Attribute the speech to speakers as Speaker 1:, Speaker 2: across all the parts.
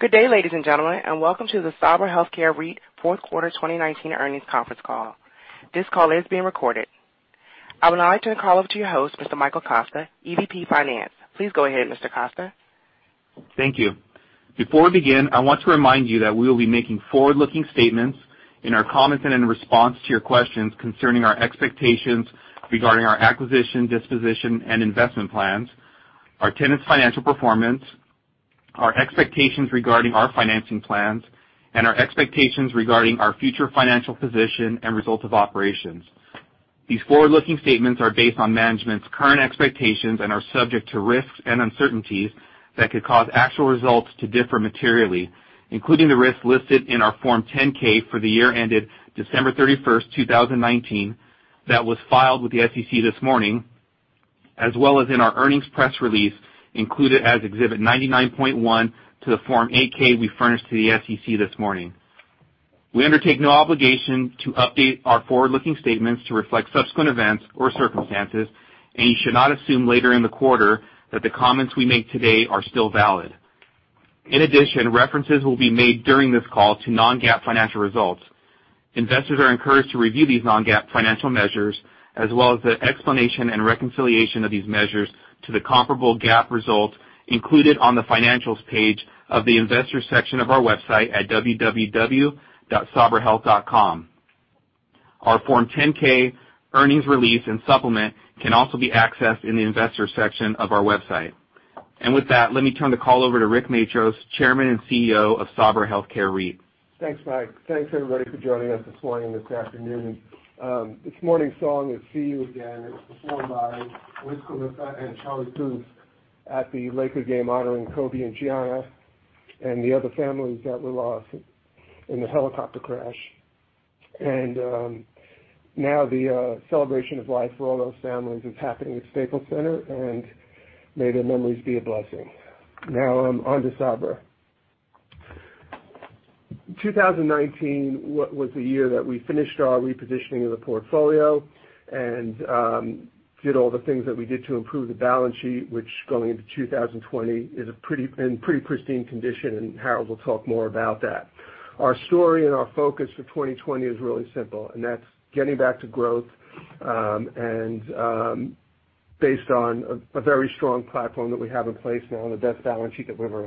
Speaker 1: Good day, ladies and gentlemen, and welcome to the Sabra Health Care REIT Fourth Quarter 2019 Earnings Conference Call. This call is being recorded. I would now like to turn the call over to your host, Mr. Michael Costa, EVP Finance. Please go ahead, Mr. Costa.
Speaker 2: Thank you. Before we begin, I want to remind you that we will be making forward-looking statements in our comments and in response to your questions concerning our expectations regarding our acquisition, disposition, and investment plans, our tenants' financial performance, our expectations regarding our financing plans, and our expectations regarding our future financial position and results of operations. These forward-looking statements are based on management's current expectations and are subject to risks and uncertainties that could cause actual results to differ materially, including the risks listed in our Form 10-K for the year ended December 31st, 2019, that was filed with the SEC this morning, as well as in our earnings press release included as Exhibit 99.1 to the Form 8-K we furnished to the SEC this morning. We undertake no obligation to update our forward-looking statements to reflect subsequent events or circumstances, and you should not assume later in the quarter that the comments we make today are still valid. In addition, references will be made during this call to non-GAAP financial results. Investors are encouraged to review these non-GAAP financial measures, as well as the explanation and reconciliation of these measures to the comparable GAAP results included on the Financials page of the Investors section of our website at www.sabrahealth.com. Our Form 10-K, earnings release, and supplement can also be accessed in the Investors section of our website. With that, let me turn the call over to Rick Matros, Chairman and CEO of Sabra Health Care REIT.
Speaker 3: Thanks, Mike. Thanks, everybody, for joining us this morning, this afternoon. This morning's song was "See You Again." It was performed by Wiz Khalifa and Charlie Puth at the Laker game honoring Kobe and Gianna and the other families that were lost in the helicopter crash. Now the celebration of life for all those families is happening at Staples Center, and may their memories be a blessing. Now, on to Sabra. 2019 was the year that we finished our repositioning of the portfolio and did all the things that we did to improve the balance sheet, which going into 2020 is in pretty pristine condition, and Harold will talk more about that. Our story and our focus for 2020 is really simple, and that's getting back to growth based on a very strong platform that we have in place now and the best balance sheet that we've ever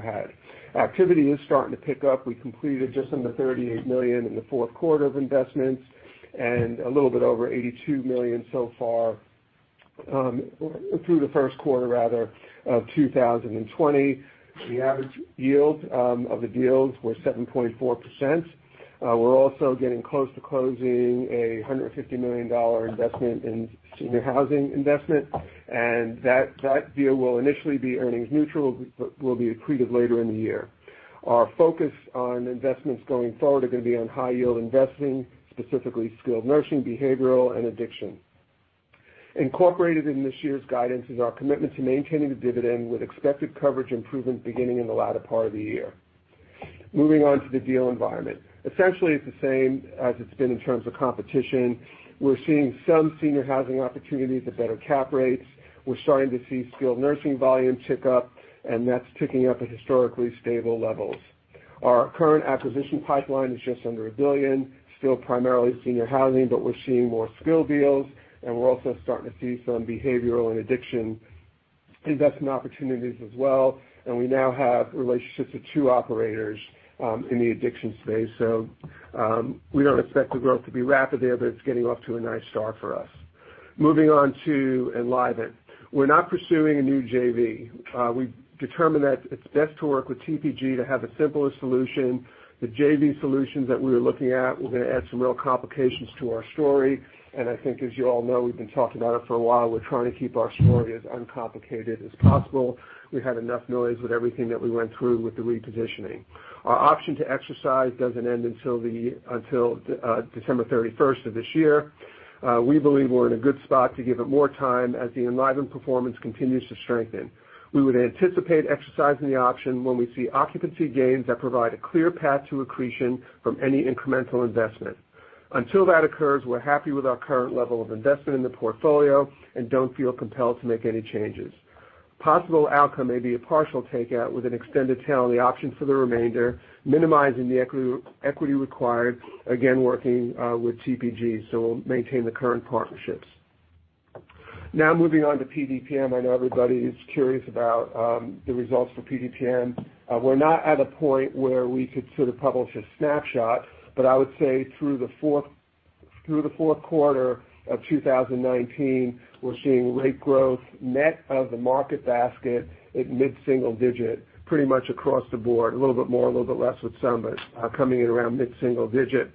Speaker 3: had. Activity is starting to pick up. We completed just under $38 million in the fourth quarter of investments and a little bit over $82 million so far through the first quarter, rather, of 2020. The average yield of the deals were 7.4%. We're also getting close to closing a $150 million investment in senior housing investment. That deal will initially be earnings neutral, but will be accretive later in the year. Our focus on investments going forward are going to be on high-yield investing, specifically skilled nursing, behavioral, and addiction. Incorporated in this year's guidance is our commitment to maintaining the dividend with expected coverage improvement beginning in the latter part of the year. Moving on to the deal environment. Essentially, it's the same as it's been in terms of competition. We're seeing some senior housing opportunities at better cap rates. We're starting to see skilled nursing volume tick up, and that's ticking up at historically stable levels. Our current acquisition pipeline is just under $1 billion, still primarily senior housing, but we're seeing more skilled deals, and we're also starting to see some behavioral and addiction investment opportunities as well, and we now have relationships with two operators in the addiction space. We don't expect the growth to be rapid there, but it's getting off to a nice start for us. Moving on to Enlivant. We're not pursuing a new JV. We determined that it's best to work with TPG to have a simpler solution. The JV solutions that we were looking at were going to add some real complications to our story, and I think as you all know, we've been talking about it for a while, we're trying to keep our story as uncomplicated as possible. We've had enough noise with everything that we went through with the repositioning. Our option to exercise doesn't end until December 31st of this year. We believe we're in a good spot to give it more time as the Enlivant performance continues to strengthen. We would anticipate exercising the option when we see occupancy gains that provide a clear path to accretion from any incremental investment. Until that occurs, we're happy with our current level of investment in the portfolio and don't feel compelled to make any changes. Possible outcome may be a partial takeout with an extended tail on the option for the remainder, minimizing the equity required, again, working with TPG, so we'll maintain the current partnerships. Moving on to PDPM. I know everybody is curious about the results for PDPM. We're not at a point where we could sort of publish a snapshot, but I would say through the fourth quarter of 2019, we're seeing rate growth net of the market basket at mid-single digit, pretty much across the board. A little bit more, a little bit less with some, but coming in around mid-single digit.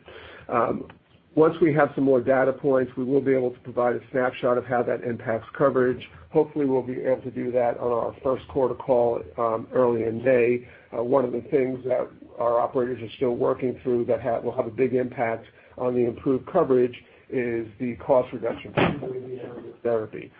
Speaker 3: Once we have some more data points, we will be able to provide a snapshot of how that impacts coverage. Hopefully, we'll be able to do that on our first quarter call early in May. One of the things that our operators are still working through that will have a big impact on the improved coverage is the cost reduction, particularly in the area of therapy.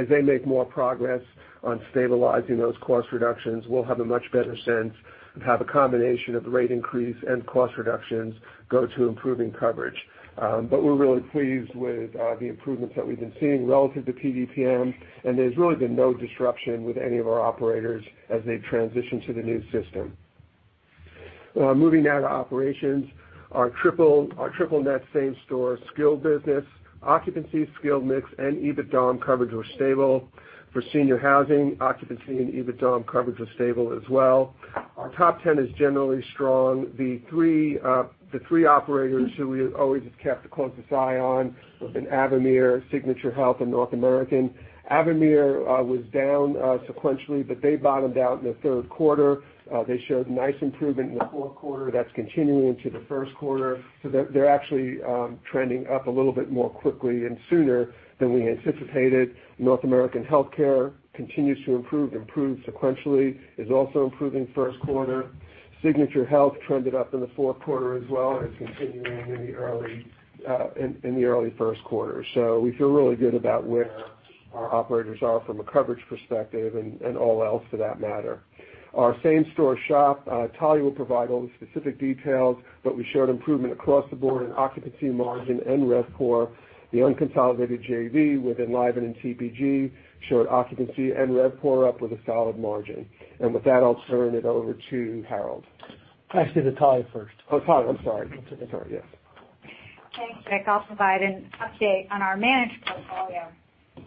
Speaker 3: As they make more progress on stabilizing those cost reductions, we'll have a much better sense of how the combination of rate increase and cost reductions go to improving coverage. We're really pleased with the improvements that we've been seeing relative to PDPM, and there's really been no disruption with any of our operators as they transition to the new system. Moving now to operations. Our triple net same-store skilled business occupancy, skilled mix, and EBITDA coverage were stable. For senior housing, occupancy and EBITDA coverage was stable as well. Our top 10 is generally strong. The three operators who we always have kept the closest eye on have been Avamere, Signature HealthCARE, and North American Health Care. Avamere was down sequentially, but they bottomed out in the third quarter. They showed nice improvement in the fourth quarter that's continuing into the first quarter. They're actually trending up a little bit more quickly and sooner than we anticipated. North American Health Care continues to improve sequentially, is also improving first quarter. Signature HealthCARE trended up in the fourth quarter as well and is continuing in the early first quarter. We feel really good about where our operators are from a coverage perspective and all else for that matter. Our same-store SHOP, Talya will provide all the specific details, but we showed improvement across the board in occupancy margin and REVCOR. The unconsolidated JV with Enlivant and TPG showed occupancy and REVCOR up with a solid margin. With that, I'll turn it over to Harold.
Speaker 4: Actually, to Talya first.
Speaker 3: Oh, Talya, I'm sorry. Yes.
Speaker 5: Thanks, Rick. I'll provide an update on our managed portfolio.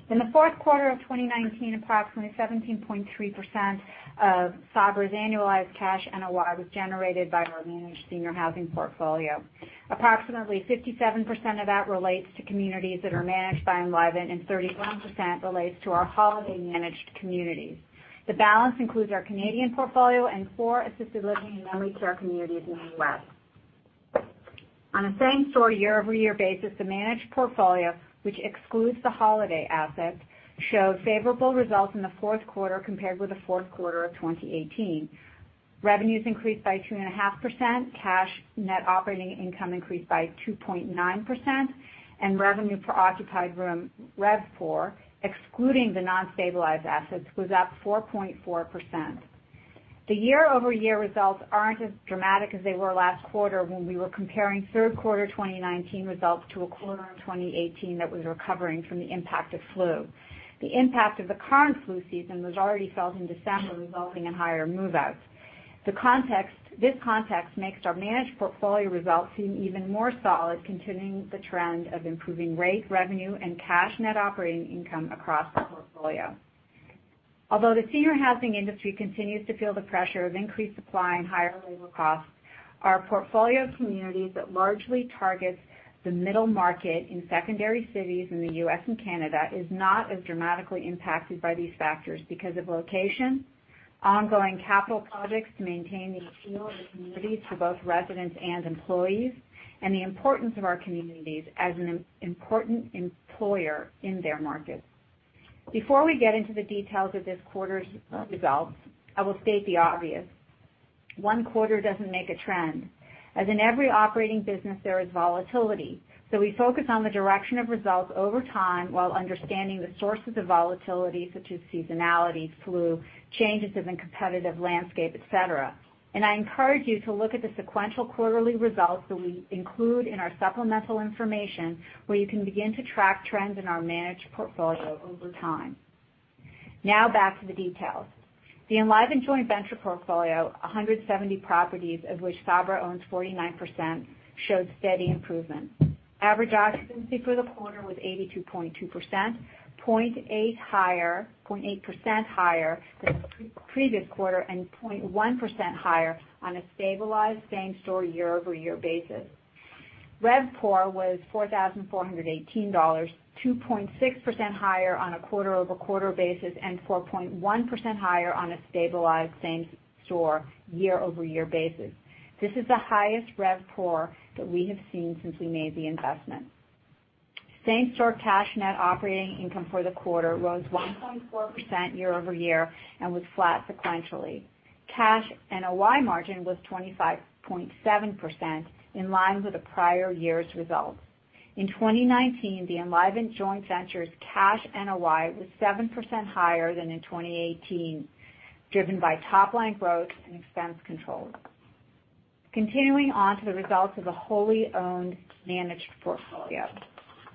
Speaker 5: In the fourth quarter of 2019, approximately 17.3% of Sabra's annualized cash NOI was generated by our managed senior housing portfolio. Approximately 57% of that relates to communities that are managed by Enlivant, and 31% relates to our Holiday managed communities. The balance includes our Canadian portfolio and four assisted living and memory care communities in the U.S. On a same-store year-over-year basis, the managed portfolio, which excludes the Holiday assets, showed favorable results in the fourth quarter compared with the fourth quarter of 2018. Revenues increased by 2.5%, cash net operating income increased by 2.9%, and revenue per occupied room, REVCOR, excluding the non-stabilized assets, was up 4.4%. The year-over-year results aren't as dramatic as they were last quarter when we were comparing third quarter 2019 results to a quarter in 2018 that was recovering from the impact of flu. The impact of the current flu season was already felt in December, resulting in higher move-outs. This context makes our managed portfolio results seem even more solid, continuing the trend of improving rate, revenue, and cash net operating income across the portfolio. Although the senior housing industry continues to feel the pressure of increased supply and higher labor costs, our portfolio of communities that largely targets the middle market in secondary cities in the U.S. and Canada is not as dramatically impacted by these factors because of location, ongoing capital projects to maintain the appeal of the communities to both residents and employees, and the importance of our communities as an important employer in their markets. Before we get into the details of this quarter's results, I will state the obvious. One quarter doesn't make a trend. As in every operating business, there is volatility. We focus on the direction of results over time while understanding the sources of volatility, such as seasonality, flu, changes in the competitive landscape, et cetera. I encourage you to look at the sequential quarterly results that we include in our supplemental information, where you can begin to track trends in our managed portfolio over time. Back to the details. The Enlivant joint venture portfolio, 170 properties, of which Sabra owns 49%, showed steady improvement. Average occupancy for the quarter was 82.2%, 0.8% higher than the previous quarter and 0.1% higher on a stabilized same-store year-over-year basis. REVCOR was $4,418, 2.6% higher on a quarter-over-quarter basis and 4.1% higher on a stabilized same-store year-over-year basis. This is the highest REVCOR that we have seen since we made the investment. Same-store cash net operating income for the quarter rose 1.4% year-over-year and was flat sequentially. Cash NOI margin was 25.7%, in line with the prior year's results. In 2019, the Enlivant joint venture's cash NOI was 7% higher than in 2018, driven by top-line growth and expense controls. Continuing on to the results of the wholly owned managed portfolio.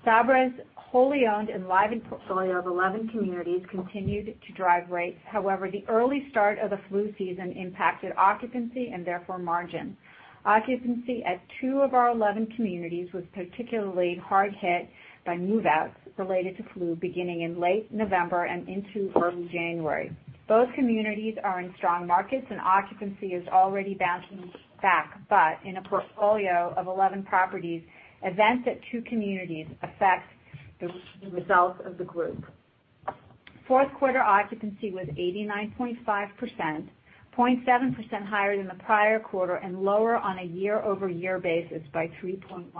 Speaker 5: Sabra's wholly owned Enlivant portfolio of 11 communities continued to drive rates. The early start of the flu season impacted occupancy and therefore margin. Occupancy at two of our 11 communities was particularly hard hit by move-outs related to flu beginning in late November and into early January. Both communities are in strong markets and occupancy is already bouncing back. In a portfolio of 11 properties, events at two communities affect the results of the group. Fourth quarter occupancy was 89.5%, 0.7% higher than the prior quarter and lower on a year-over-year basis by 3.1%,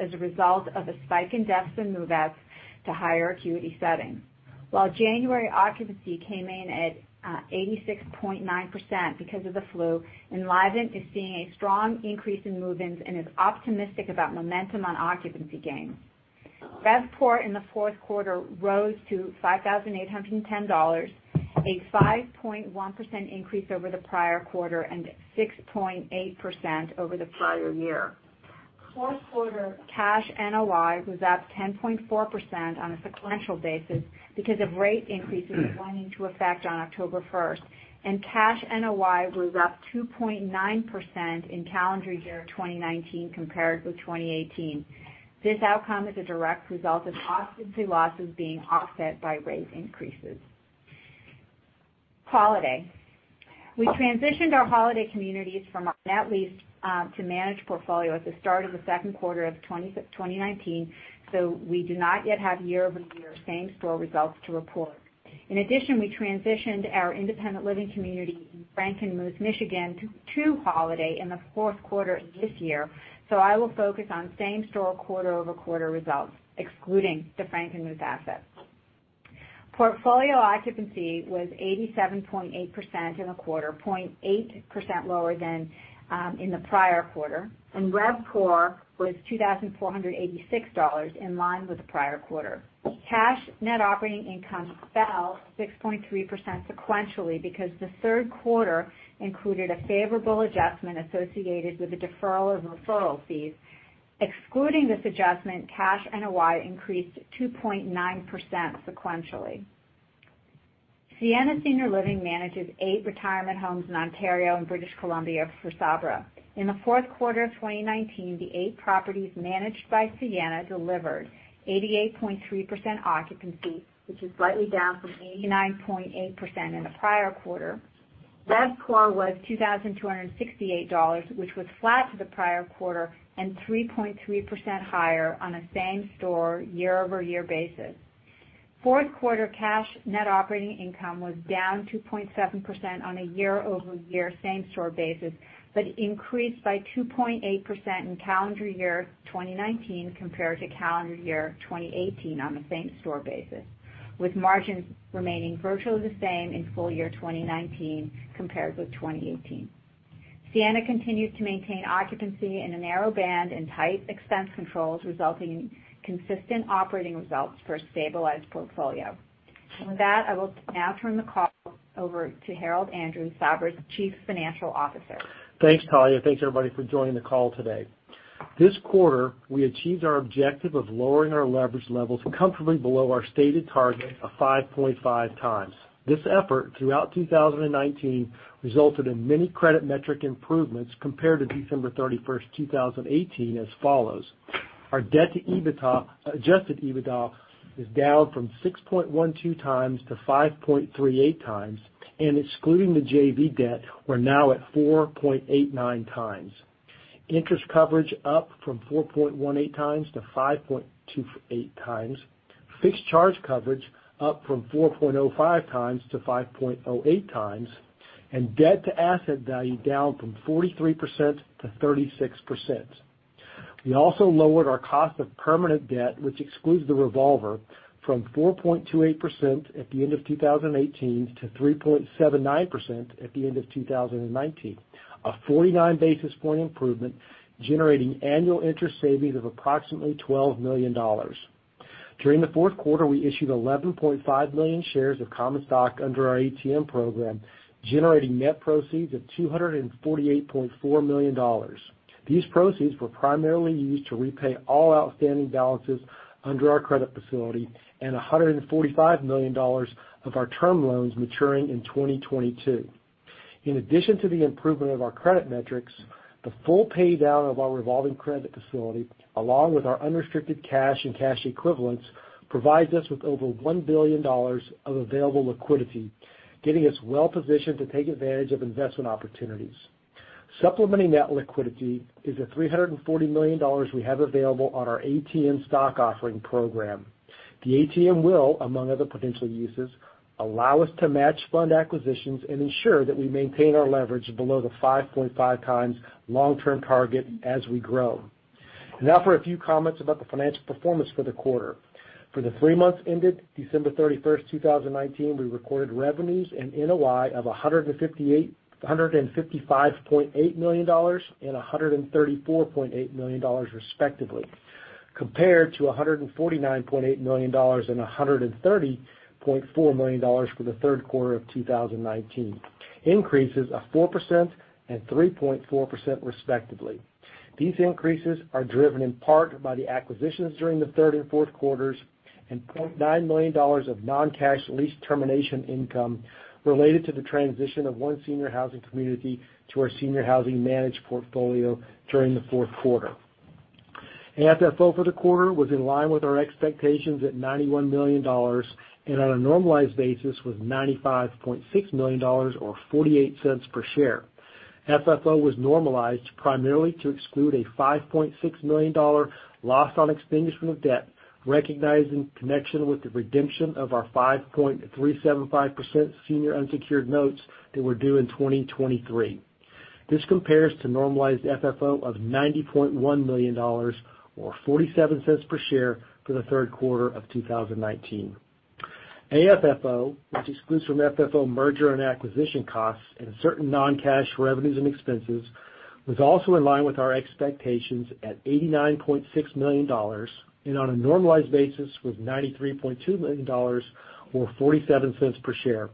Speaker 5: as a result of a spike in deaths and move-outs to higher acuity settings. While January occupancy came in at 86.9% because of the flu, Enlivant is seeing a strong increase in move-ins and is optimistic about momentum on occupancy gains. REVCOR in the fourth quarter rose to $5,810, a 5.1% increase over the prior quarter and 6.8% over the prior year. Fourth quarter cash NOI was up 10.4% on a sequential basis because of rate increases going into effect on October 1st, and cash NOI was up 2.9% in calendar year 2019 compared with 2018. This outcome is a direct result of occupancy losses being offset by rate increases. Holiday. We transitioned our Holiday communities from a net lease to managed portfolio at the start of the second quarter of 2019. We do not yet have year-over-year same-store results to report. In addition, we transitioned our independent living community in Frankenmuth, Michigan, to Holiday in the fourth quarter of this year. I will focus on same-store, quarter-over-quarter results, excluding the Frankenmuth asset. Portfolio occupancy was 87.8% in the quarter, 0.8% lower than in the prior quarter, and RevPAR was $2,486, in line with the prior quarter. Cash net operating income fell 6.3% sequentially because the third quarter included a favorable adjustment associated with the deferral of referral fees. Excluding this adjustment, cash NOI increased 2.9% sequentially. Sienna Senior Living manages eight retirement homes in Ontario and British Columbia for Sabra. In the fourth quarter of 2019, the eight properties managed by Sienna delivered 88.3% occupancy, which is slightly down from 89.8% in the prior quarter. RevPAR was $2,268, which was flat to the prior quarter and 3.3% higher on a same-store, year-over-year basis. Fourth quarter cash net operating income was down 2.7% on a year-over-year same-store basis, but increased by 2.8% in calendar year 2019 compared to calendar year 2018 on a same-store basis, with margins remaining virtually the same in full year 2019 compared with 2018. Sienna continues to maintain occupancy in a narrow band and tight expense controls, resulting in consistent operating results for a stabilized portfolio. With that, I will now turn the call over to Harold Andrews, Sabra's Chief Financial Officer.
Speaker 4: Thanks, Talya. Thanks, everybody, for joining the call today. This quarter, we achieved our objective of lowering our leverage levels comfortably below our stated target of 5.5 times. This effort throughout 2019 resulted in many credit metric improvements compared to December 31st, 2018, as follows. Our debt to adjusted EBITDA is down from 6.12 times to 5.38 times. Excluding the JV debt, we're now at 4.89 times. Interest coverage up from 4.18 times to 5.28 times. Fixed charge coverage up from 4.05 times to 5.08 times. Debt to asset value down from 43% to 36%. We also lowered our cost of permanent debt, which excludes the revolver, from 4.28% at the end of 2018 to 3.79% at the end of 2019. A 49 basis point improvement, generating annual interest savings of approximately $12 million. During the fourth quarter, we issued 11.5 million shares of common stock under our ATM program, generating net proceeds of $248.4 million. These proceeds were primarily used to repay all outstanding balances under our credit facility and $145 million of our term loans maturing in 2022. In addition to the improvement of our credit metrics, the full pay-down of our revolving credit facility, along with our unrestricted cash and cash equivalents, provides us with over $1 billion of available liquidity, getting us well-positioned to take advantage of investment opportunities. Supplementing that liquidity is the $340 million we have available on our ATM stock offering program. The ATM will, among other potential uses, allow us to match fund acquisitions and ensure that we maintain our leverage below the 5.5 times long-term target as we grow. Now for a few comments about the financial performance for the quarter. For the three months ended December 31st, 2019, we recorded revenues and NOI of $155.8 million and $134.8 million respectively, compared to $149.8 million and $130.4 million for the third quarter of 2019, increases of 4% and 3.4% respectively. These increases are driven in part by the acquisitions during the third and fourth quarters and $0.9 million of non-cash lease termination income related to the transition of one senior housing community to our senior housing managed portfolio during the fourth quarter. AFFO for the quarter was in line with our expectations at $91 million, and on a normalized basis was $95.6 million or $0.48 per share. AFFO was normalized primarily to exclude a $5.6 million loss on extinguishment of debt recognized in connection with the redemption of our 5.375% senior unsecured notes that were due in 2023. This compares to normalized AFFO of $90.1 million or $0.47 per share for the third quarter of 2019. AFFO, which excludes from AFFO merger and acquisition costs and certain non-cash revenues and expenses, was also in line with our expectations at $89.6 million and on a normalized basis was $93.2 million or $0.47 per share.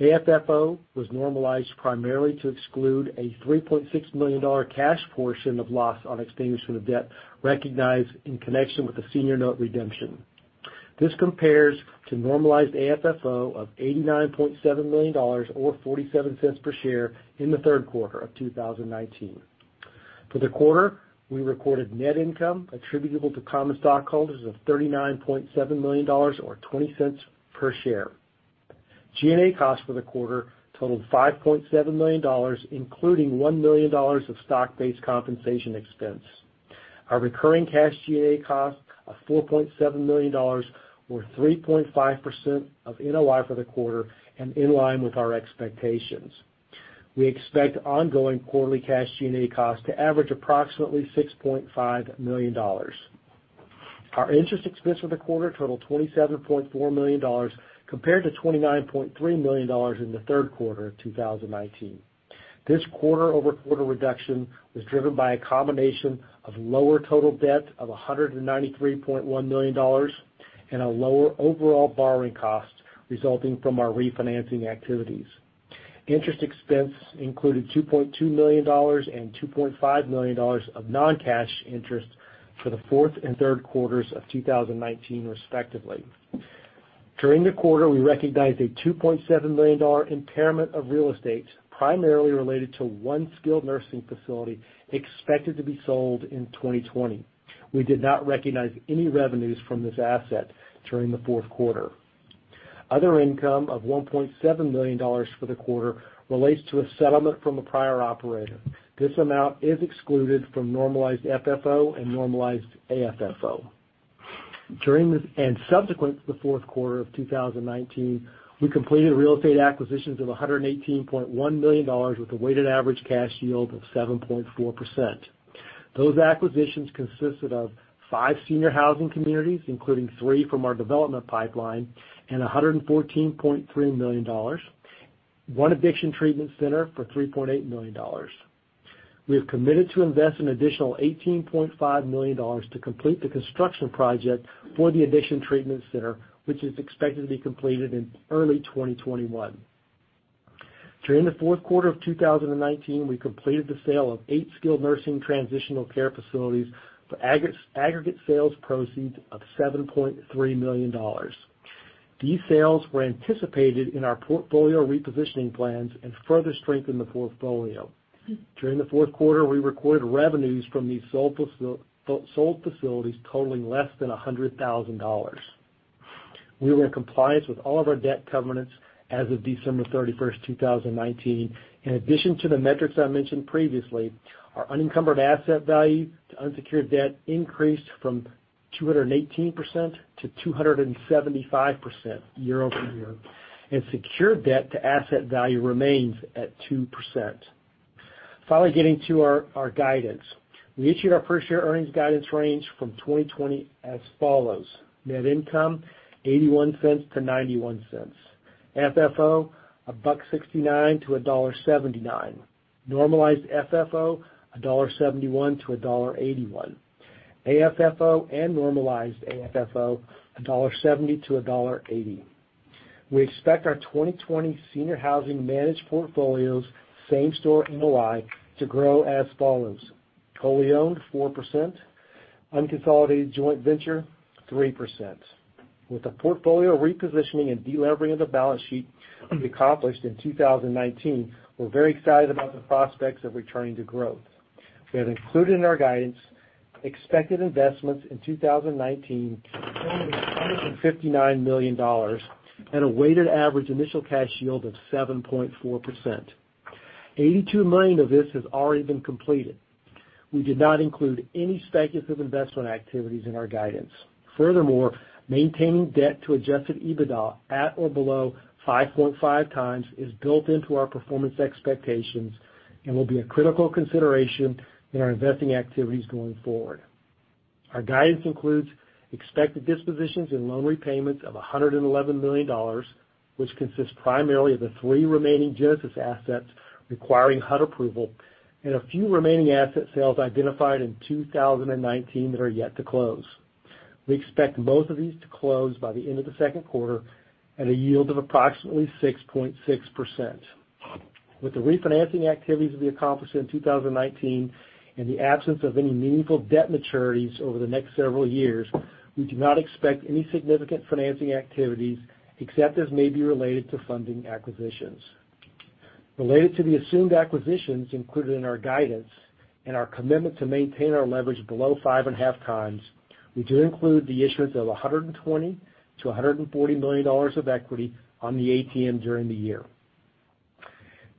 Speaker 4: AFFO was normalized primarily to exclude a $3.6 million cash portion of loss on extinguishment of debt recognized in connection with the senior note redemption. This compares to normalized AFFO of $89.7 million, or $0.47 per share in the third quarter of 2019. For the quarter, we recorded net income attributable to common stockholders of $39.7 million, or $0.20 per share. G&A costs for the quarter totaled $5.7 million, including $1 million of stock-based compensation expense. Our recurring cash G&A costs of $4.7 million or 3.5% of NOI for the quarter and in line with our expectations. We expect ongoing quarterly cash G&A costs to average approximately $6.5 million. Our interest expense for the quarter totaled $27.4 million, compared to $29.3 million in the third quarter of 2019. This quarter-over-quarter reduction was driven by a combination of lower total debt of $193.1 million and a lower overall borrowing cost resulting from our refinancing activities. Interest expense included $2.2 million and $2.5 million of non-cash interest for the fourth and third quarters of 2019, respectively. During the quarter, we recognized a $2.7 million impairment of real estate, primarily related to one skilled nursing facility expected to be sold in 2020. We did not recognize any revenues from this asset during the fourth quarter. Other income of $1.7 million for the quarter relates to a settlement from a prior operator. This amount is excluded from normalized FFO and normalized AFFO. During and subsequent to the fourth quarter of 2019, we completed real estate acquisitions of $118.1 million with a weighted average cash yield of 7.4%. Those acquisitions consisted of five senior housing communities, including three from our development pipeline, and $114.3 million, one addiction treatment center for $3.8 million. We have committed to invest an additional $18.5 million to complete the construction project for the addiction treatment center, which is expected to be completed in early 2021. During the fourth quarter of 2019, we completed the sale of eight skilled nursing transitional care facilities for aggregate sales proceeds of $7.3 million. These sales were anticipated in our portfolio repositioning plans and further strengthen the portfolio. During the fourth quarter, we recorded revenues from these sold facilities totaling less than $100,000. We were in compliance with all of our debt covenants as of December 31st, 2019. In addition to the metrics I mentioned previously, our unencumbered asset value to unsecured debt increased from 218%-275% year-over-year, and secured debt to asset value remains at 2%. Getting to our guidance. We issued our per-share earnings guidance range from 2020 as follows. Net income, $0.81-$0.91. FFO, $1.69-$1.79. Normalized FFO, $1.71-$1.81. AFFO and normalized AFFO, $1.70-$1.80. We expect our 2020 senior housing managed portfolios same-store NOI to grow as follows. Totally owned, 4%, unconsolidated joint venture, 3%. With the portfolio repositioning and delevering of the balance sheet accomplished in 2019, we're very excited about the prospects of returning to growth. We have included in our guidance expected investments in 2019 totaling $259 million and a weighted average initial cash yield of 7.4%. $82 million of this has already been completed. We did not include any speculative investment activities in our guidance. Furthermore, maintaining debt to adjusted EBITDA at or below 5.5 times is built into our performance expectations and will be a critical consideration in our investing activities going forward. Our guidance includes expected dispositions and loan repayments of $111 million, which consists primarily of the three remaining Genesis assets requiring HUD approval and a few remaining asset sales identified in 2019 that are yet to close. We expect both of these to close by the end of the second quarter at a yield of approximately 6.6%. With the refinancing activities to be accomplished in 2019 and the absence of any meaningful debt maturities over the next several years, we do not expect any significant financing activities except as may be related to funding acquisitions. Related to the assumed acquisitions included in our guidance and our commitment to maintain our leverage below 5.5 times, we do include the issuance of $120 million-$140 million of equity on the ATM during the year.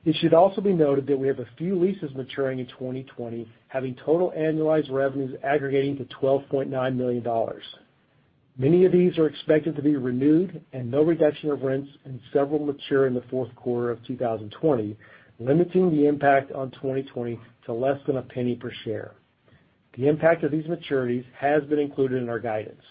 Speaker 4: It should also be noted that we have a few leases maturing in 2020, having total annualized revenues aggregating to $12.9 million. Many of these are expected to be renewed and no reduction of rents and several mature in the fourth quarter of 2020, limiting the impact on 2020 to less than $0.01 per share. The impact of these maturities has been included in our guidance.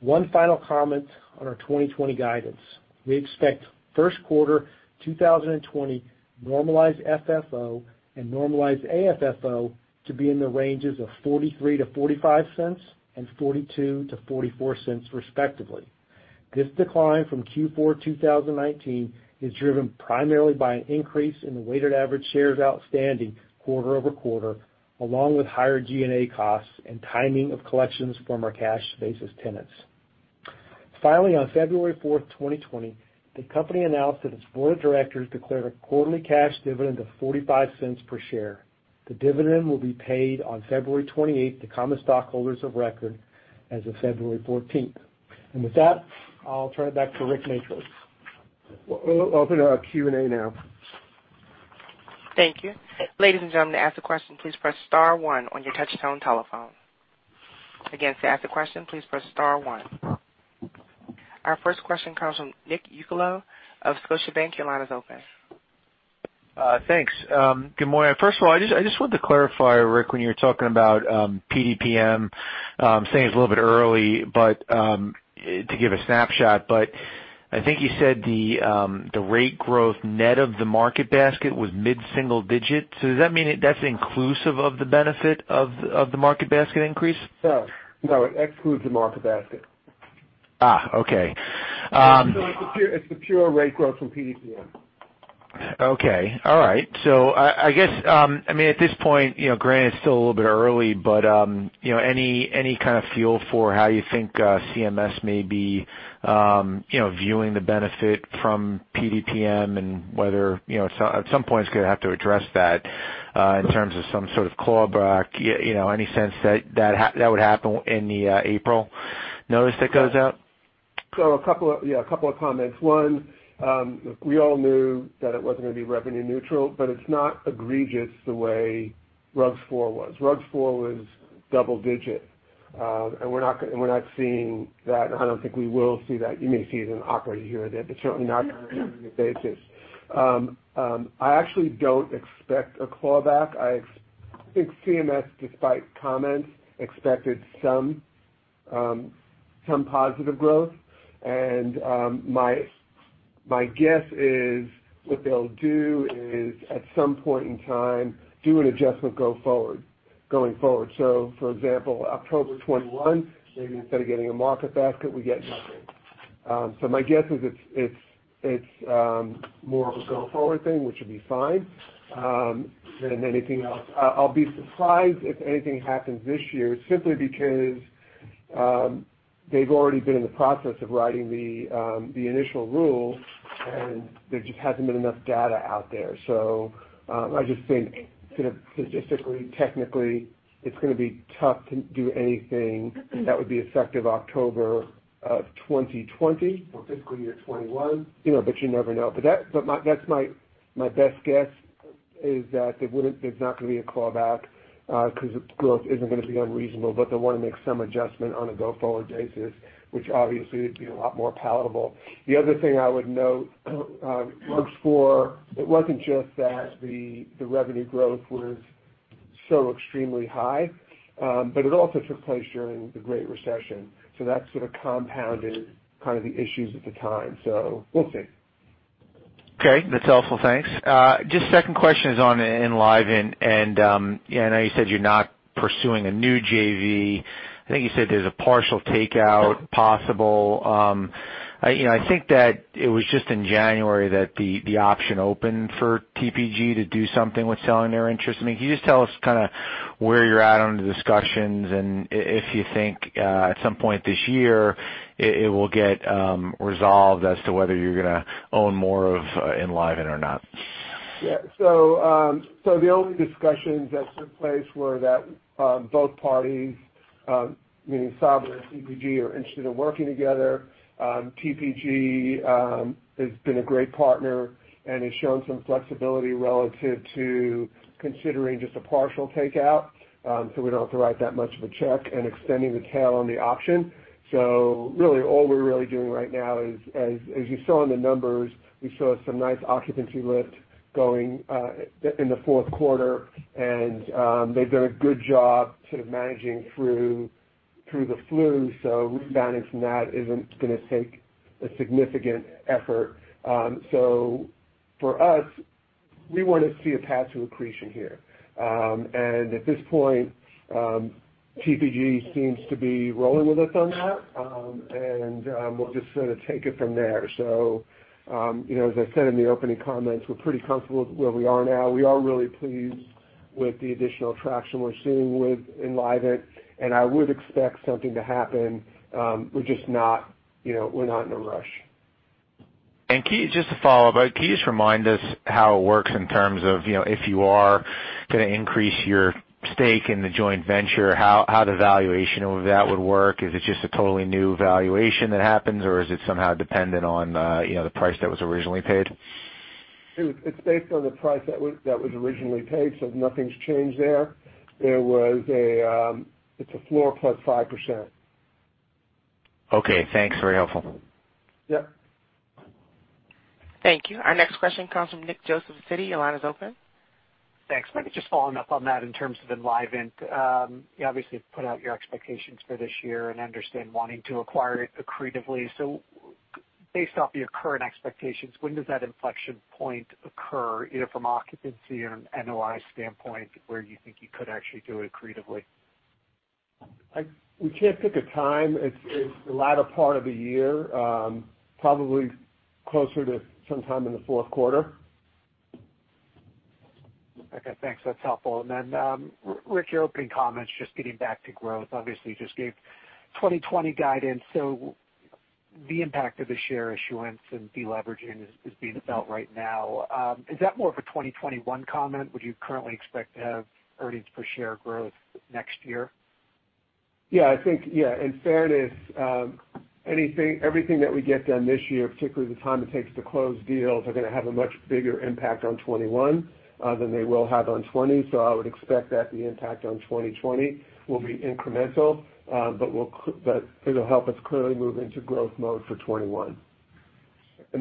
Speaker 4: One final comment on our 2020 guidance. We expect first quarter 2020 normalized FFO and normalized AFFO to be in the ranges of $0.43-$0.45 and $0.42-$0.44, respectively. This decline from Q4 2019 is driven primarily by an increase in the weighted average shares outstanding quarter over quarter, along with higher G&A costs and timing of collections from our cash space's tenants. Finally, on February 4th, 2020, the company announced that its board of directors declared a quarterly cash dividend of $0.45 per share. The dividend will be paid on February 28th to common stockholders of record as of February 14th. With that, I'll turn it back to Rick Matros.
Speaker 3: We'll open a Q&A now.
Speaker 1: Thank you. Ladies and gentlemen, to ask a question, please press star one on your touch-tone telephone. Again, to ask a question, please press star one. Our first question comes from Nick Yulico of Scotiabank. Your line is open.
Speaker 6: Thanks. Good morning. First of all, I just wanted to clarify, Rick, when you were talking about PDPM, saying it's a little bit early, but to give a snapshot, but I think you said the rate growth net of the market basket was mid-single digit. Does that mean that's inclusive of the benefit of the market basket increase?
Speaker 3: No. No. It excludes the market basket.
Speaker 6: Okay.
Speaker 3: It's the pure rate growth from PDPM.
Speaker 6: Okay. All right. I guess, at this point, granted it's still a little bit early, but any kind of feel for how you think CMS may be viewing the benefit from PDPM and whether at some point it's going to have to address that in terms of some sort of clawback? Any sense that would happen in the April notice that goes out?
Speaker 3: A couple of comments. One, we all knew that it wasn't going to be revenue neutral, but it's not egregious the way RUG-IV was. RUG-IV was double-digit, and we're not seeing that, and I don't think we will see that. You may see it in operating here and there, certainly not on a revenue basis. I actually don't expect a clawback. I think CMS, despite comments, expected some positive growth. My guess is what they'll do is at some point in time, do an adjustment going forward. For example, October 2021, maybe instead of getting a market basket, we get nothing. My guess is it's more of a go-forward thing, which would be fine, than anything else. I'll be surprised if anything happens this year, simply because they've already been in the process of writing the initial rule, and there just hasn't been enough data out there. I just think statistically, technically, it's going to be tough to do anything that would be effective October of 2020 for fiscal year 2021, but you never know. That's my best guess, is that there's not going to be a callback because its growth isn't going to be unreasonable, but they'll want to make some adjustment on a go-forward basis, which obviously would be a lot more palatable. The other thing I would note, RUG-IV, it wasn't just that the revenue growth was so extremely high, but it also took place during the Great Recession. That sort of compounded kind of the issues at the time. We'll see.
Speaker 6: Okay, that's helpful. Thanks. Second question is on Enlivant. I know you said you're not pursuing a new JV. I think you said there's a partial takeout possible. I think that it was just in January that the option opened for TPG to do something with selling their interest. Can you just tell us kind of where you're at on the discussions and if you think at some point this year it will get resolved as to whether you're going to own more of Enlivant or not?
Speaker 3: The only discussions that took place were that both parties, meaning Sabra and TPG, are interested in working together. TPG has been a great partner and has shown some flexibility relative to considering just a partial takeout, so we don't have to write that much of a check, and extending the tail on the option. Really, all we're really doing right now is, as you saw in the numbers, we saw some nice occupancy lift going in the fourth quarter, and they've done a good job sort of managing through the flu. Rebounding from that isn't going to take a significant effort. For us, we want to see a path to accretion here. At this point, TPG seems to be rolling with us on that. We'll just sort of take it from there. As I said in the opening comments, we're pretty comfortable with where we are now. We are really pleased with the additional traction we're seeing with Enlivant, and I would expect something to happen. We're just not in a rush.
Speaker 6: Just to follow up, can you just remind us how it works in terms of if you are going to increase your stake in the joint venture, how the valuation of that would work? Is it just a totally new valuation that happens, or is it somehow dependent on the price that was originally paid?
Speaker 3: It's based on the price that was originally paid, so nothing's changed there. It's a floor plus 5%.
Speaker 6: Okay, thanks. Very helpful.
Speaker 3: Yep.
Speaker 1: Thank you. Our next question comes from Nick Joseph of Citi. Your line is open.
Speaker 7: Thanks. Maybe just following up on that in terms of Enlivant. You obviously have put out your expectations for this year and understand wanting to acquire it accretively. Based off your current expectations, when does that inflection point occur, either from occupancy or an NOI standpoint, where you think you could actually do it accretively?
Speaker 3: We can't pick a time. It's the latter part of the year, probably closer to sometime in the fourth quarter.
Speaker 7: Okay, thanks. That's helpful. Rick, your opening comments, just getting back to growth, obviously, you just gave 2020 guidance, so the impact of the share issuance and deleveraging is being felt right now. Is that more of a 2021 comment? Would you currently expect to have earnings per share growth next year?
Speaker 3: Yeah. In fairness, everything that we get done this year, particularly the time it takes to close deals, are going to have a much bigger impact on 2021, than they will have on 2020. I would expect that the impact on 2020 will be incremental, but it'll help us clearly move into growth mode for 2021.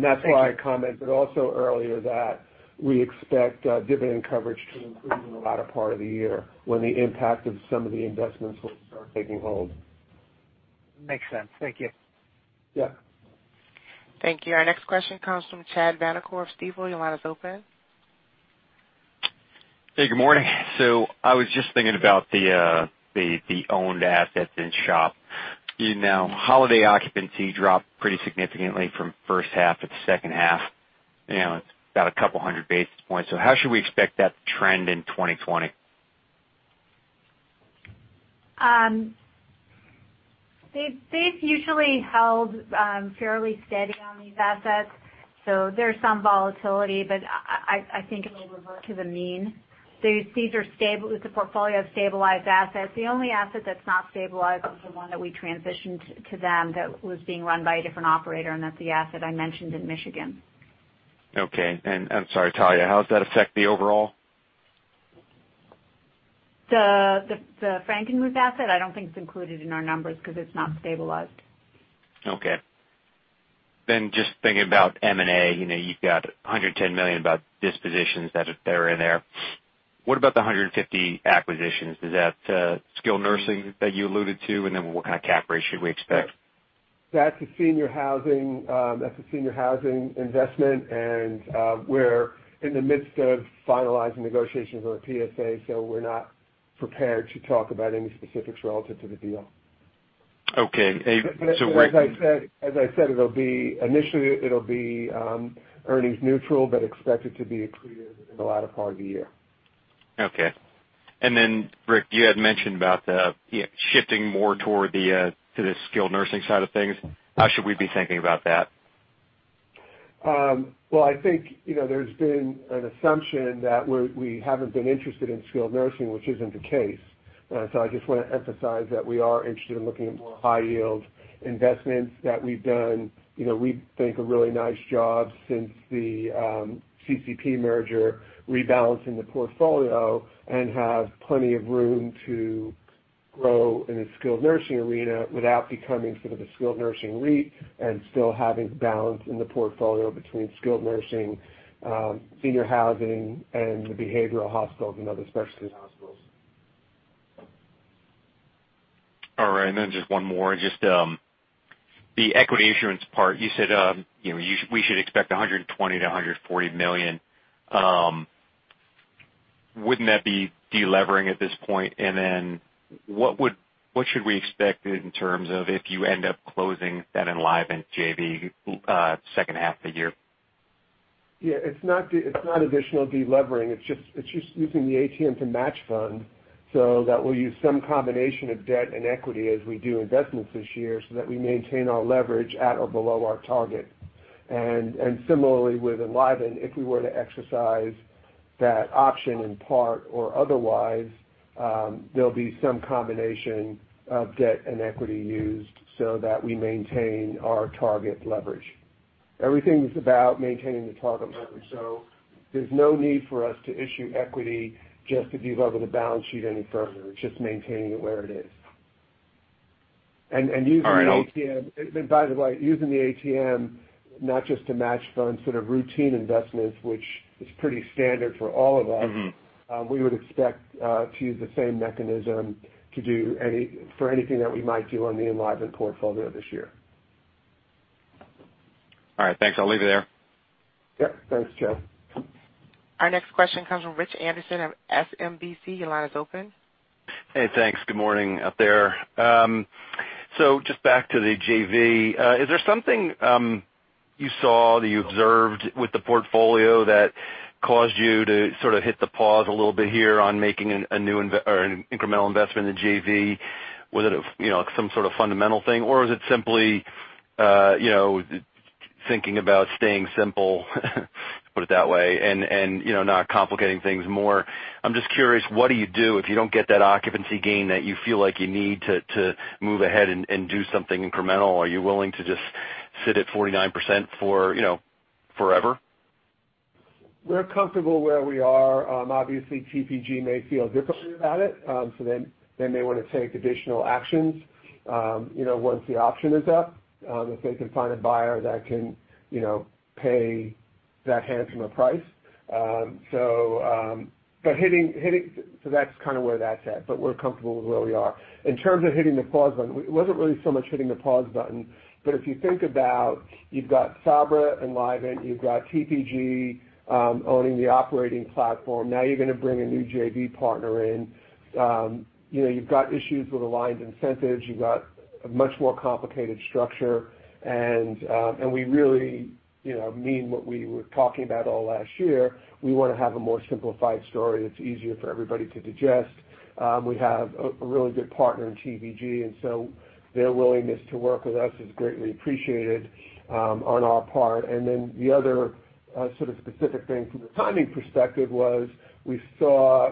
Speaker 3: That's why I commented also earlier that we expect dividend coverage to improve in the latter part of the year, when the impact of some of the investments will start taking hold.
Speaker 7: Makes sense. Thank you.
Speaker 3: Yeah.
Speaker 1: Thank you. Our next question comes from Chad Vanacore of Stifel. Your line is open.
Speaker 8: Hey, good morning. I was just thinking about the owned assets in SHOP. Holiday occupancy dropped pretty significantly from first half to the second half. It's about 200 basis points. How should we expect that to trend in 2020?
Speaker 5: They've usually held fairly steady on these assets. There's some volatility, but I think it'll revert to the mean. It's a portfolio of stabilized assets. The only asset that's not stabilized is the one that we transitioned to them that was being run by a different operator. That's the asset I mentioned in Michigan.
Speaker 8: Okay. I'm sorry, Talya, how does that affect the overall?
Speaker 5: The Frankenmuth asset, I don't think it's included in our numbers because it's not stabilized.
Speaker 8: Okay. Just thinking about M&A, you've got $110 million about dispositions that are in there. What about the $150 acquisitions? Is that skilled nursing that you alluded to? What kind of cap rate should we expect?
Speaker 3: That's a senior housing investment, and we're in the midst of finalizing negotiations on a PSA, so we're not prepared to talk about any specifics relative to the deal.
Speaker 8: Okay.
Speaker 3: As I said, initially, it'll be earnings neutral, but expect it to be accretive in the latter part of the year.
Speaker 8: Okay. Rick, you had mentioned about the shifting more toward the skilled nursing side of things. How should we be thinking about that?
Speaker 3: Well, I think, there's been an assumption that we haven't been interested in skilled nursing, which isn't the case. I just want to emphasize that we are interested in looking at more high-yield investments that we've done. We think a really nice job since the CCP merger, rebalancing the portfolio, and have plenty of room to grow in the skilled nursing arena without becoming sort of a skilled nursing REIT and still having balance in the portfolio between skilled nursing, senior housing, and the behavioral hospitals and other specialty hospitals.
Speaker 8: All right. Just one more. Just the equity issuance part, you said we should expect $120 million-$140 million. Wouldn't that be delevering at this point? What should we expect in terms of if you end up closing that Enlivant JV second half of the year?
Speaker 3: Yeah, it's not additional delevering. It's just using the ATM to match fund, so that we'll use some combination of debt and equity as we do investments this year so that we maintain our leverage at or below our target. Similarly with Enlivant, if we were to exercise that option in part or otherwise, there'll be some combination of debt and equity used so that we maintain our target leverage. Everything is about maintaining the target leverage. There's no need for us to issue equity just to delever the balance sheet any further. It's just maintaining it where it is.
Speaker 8: All right.
Speaker 3: By the way, using the ATM, not just to match funds, sort of routine investments, which is pretty standard for all of us. We would expect to use the same mechanism for anything that we might do on the Enlivant portfolio this year.
Speaker 8: All right. Thanks. I'll leave it there.
Speaker 3: Yep. Thanks, Chad.
Speaker 1: Our next question comes from Rich Anderson of SMBC. Your line is open.
Speaker 9: Hey, thanks. Good morning out there. Just back to the JV. Is there something you saw, that you observed with the portfolio that caused you to sort of hit the pause a little bit here on making an incremental investment in the JV? Was it some sort of fundamental thing, or is it simply thinking about staying simple, put it that way, and not complicating things more? I'm just curious, what do you do if you don't get that occupancy gain that you feel like you need to move ahead and do something incremental? Are you willing to just sit at 49% forever?
Speaker 3: We're comfortable where we are. Obviously, TPG may feel differently about it. They may want to take additional actions. Once the option is up, if they can find a buyer that can pay that handsome a price. That's kind of where that's at, but we're comfortable with where we are. In terms of hitting the pause button, it wasn't really so much hitting the pause button, but if you think about it, you've got Sabra and Enlivant, you've got TPG owning the operating platform. Now you're going to bring a new JV partner in. You've got issues with aligned incentives. You've got a much more complicated structure, and we really mean what we were talking about all last year. We want to have a more simplified story that's easier for everybody to digest. We have a really good partner in TPG. Their willingness to work with us is greatly appreciated on our part. The other sort of specific thing from the timing perspective was we saw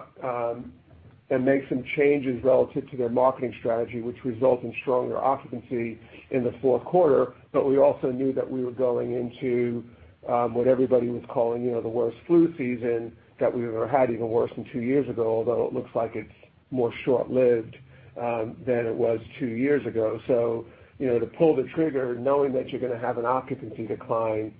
Speaker 3: them make some changes relative to their marketing strategy, which result in stronger occupancy in the fourth quarter. We also knew that we were going into what everybody was calling the worst flu season that we've ever had, even worse than two years ago, although it looks like it's more short-lived than it was two years ago. To pull the trigger knowing that you're going to have an occupancy decline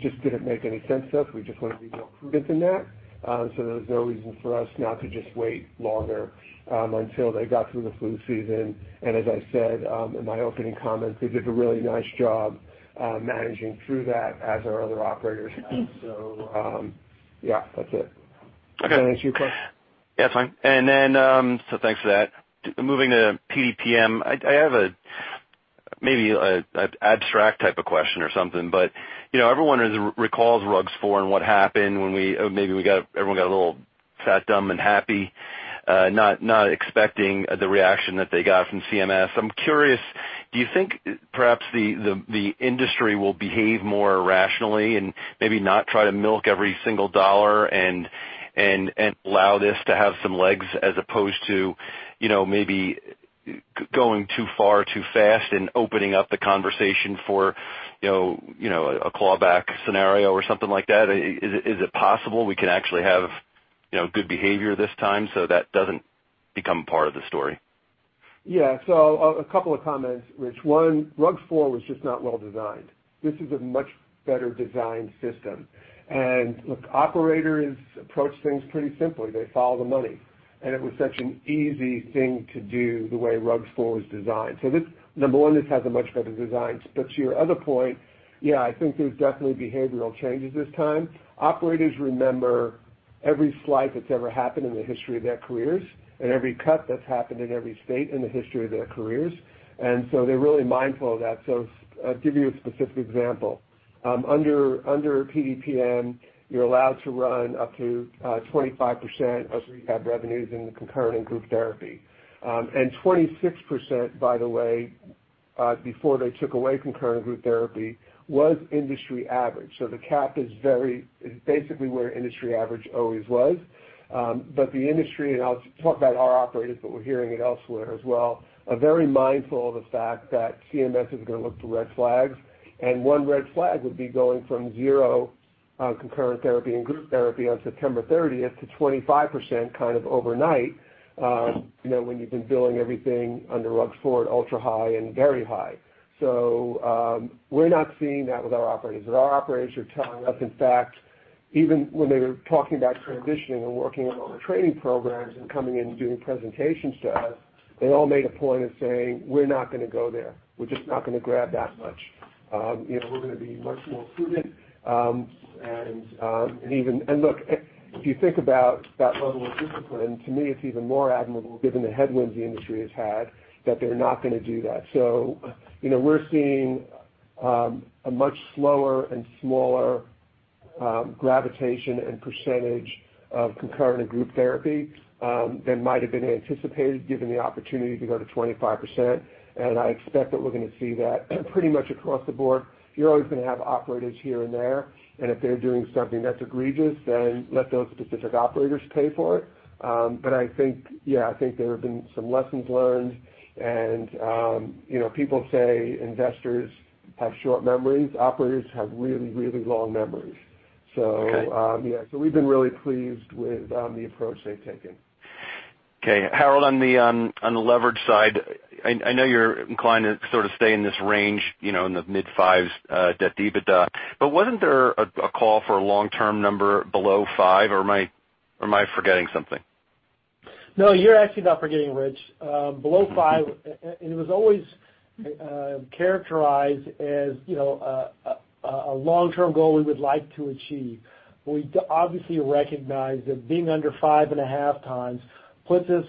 Speaker 3: just didn't make any sense to us. We just want to be more prudent than that. There was no reason for us not to just wait longer until they got through the flu season. As I said in my opening comments, they did a really nice job managing through that as our other operators have. Yeah, that's it.
Speaker 9: Okay. Does that answer your question? Yeah, it's fine. Thanks for that. Moving to PDPM, I have maybe an abstract type of question or something. Everyone recalls RUG-IV and what happened when maybe everyone got a little fat, dumb, and happy, not expecting the reaction that they got from CMS. I'm curious, do you think perhaps the industry will behave more rationally and maybe not try to milk every single dollar and allow this to have some legs, as opposed to maybe going too far too fast and opening up the conversation for a clawback scenario or something like that? Is it possible we can actually have good behavior this time so that doesn't become part of the story?
Speaker 3: Yeah. A couple of comments, Rich. One, RUG-IV was just not well designed. This is a much better designed system. Look, operators approach things pretty simply. They follow the money, and it was such an easy thing to do the way RUG-IV was designed. Number one, this has a much better design. To your other point, yeah, I think there's definitely behavioral changes this time. Operators remember every slight that's ever happened in the history of their careers and every cut that's happened in every state in the history of their careers, they're really mindful of that. I'll give you a specific example. Under PDPM, you're allowed to run up to 25% of rehab revenues in the concurrent and group therapy. 26%, by the way, before they took away concurrent group therapy, was industry average. The cap is basically where industry average always was. The industry, and I'll talk about our operators, but we're hearing it elsewhere as well, are very mindful of the fact that CMS is going to look for red flags, and one red flag would be going from zero concurrent therapy and group therapy on September 30th to 25% overnight, when you've been billing everything under RUG-IV at ultra high and very high. We're not seeing that with our operators, but our operators are telling us, in fact, even when they were talking about transitioning and working on the training programs and coming in and doing presentations to us, they all made a point of saying, "We're not going to go there. We're just not going to grab that much. We're going to be much more prudent." Look, if you think about that level of discipline, to me, it's even more admirable given the headwinds the industry has had, that they're not going to do that. We're seeing a much slower and smaller gravitation and percentage of concurrent and group therapy than might've been anticipated given the opportunity to go to 25%, and I expect that we're going to see that pretty much across the board. You're always going to have operators here and there, and if they're doing something that's egregious, then let those specific operators pay for it. I think, yeah, I think there have been some lessons learned and people say investors have short memories. Operators have really long memories.
Speaker 9: Okay. Yeah, we've been really pleased with the approach they've taken. Okay. Harold, on the leverage side, I know you're inclined to sort of stay in this range, in the mid fives debt to EBITDA. Wasn't there a call for a long-term number below five, or am I forgetting something?
Speaker 4: No, you're actually not forgetting, Rich. Below five, it was always characterized as a long-term goal we would like to achieve. We obviously recognize that being under five and a half times puts us,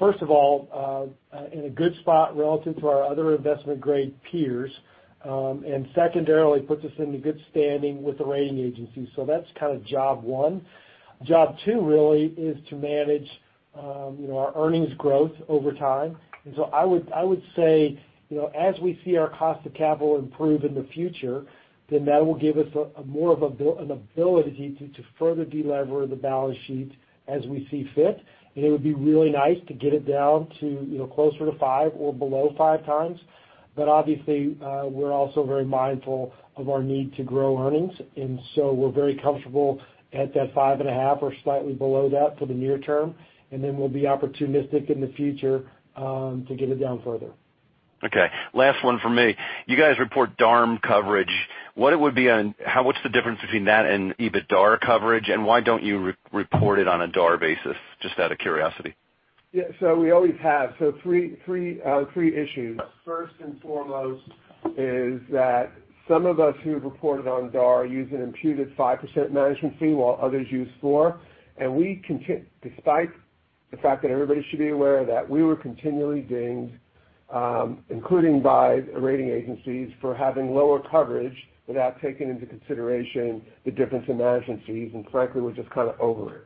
Speaker 4: first of all, in a good spot relative to our other investment-grade peers. Secondarily, puts us into good standing with the rating agencies. That's kind of job one. Job two really is to manage our earnings growth over time. I would say, as we see our cost of capital improve in the future, then that will give us more of an ability to further de-lever the balance sheet as we see fit. It would be really nice to get it down to closer to five or below five times. Obviously, we're also very mindful of our need to grow earnings, and so we're very comfortable at that 5.5 or slightly below that for the near term, and then we'll be opportunistic in the future to get it down further.
Speaker 9: Okay. Last one from me. You guys report EBITDARM coverage. What's the difference between that and EBITDAR coverage, and why don't you report it on a DAR basis? Just out of curiosity.
Speaker 3: Yeah. We always have. Three issues. First and foremost is that some of us who have reported on DAR use an imputed 5% management fee, while others use four. Despite the fact that everybody should be aware of that, we were continually dinged, including by rating agencies, for having lower coverage without taking into consideration the difference in management fees. Frankly, we're just kind of over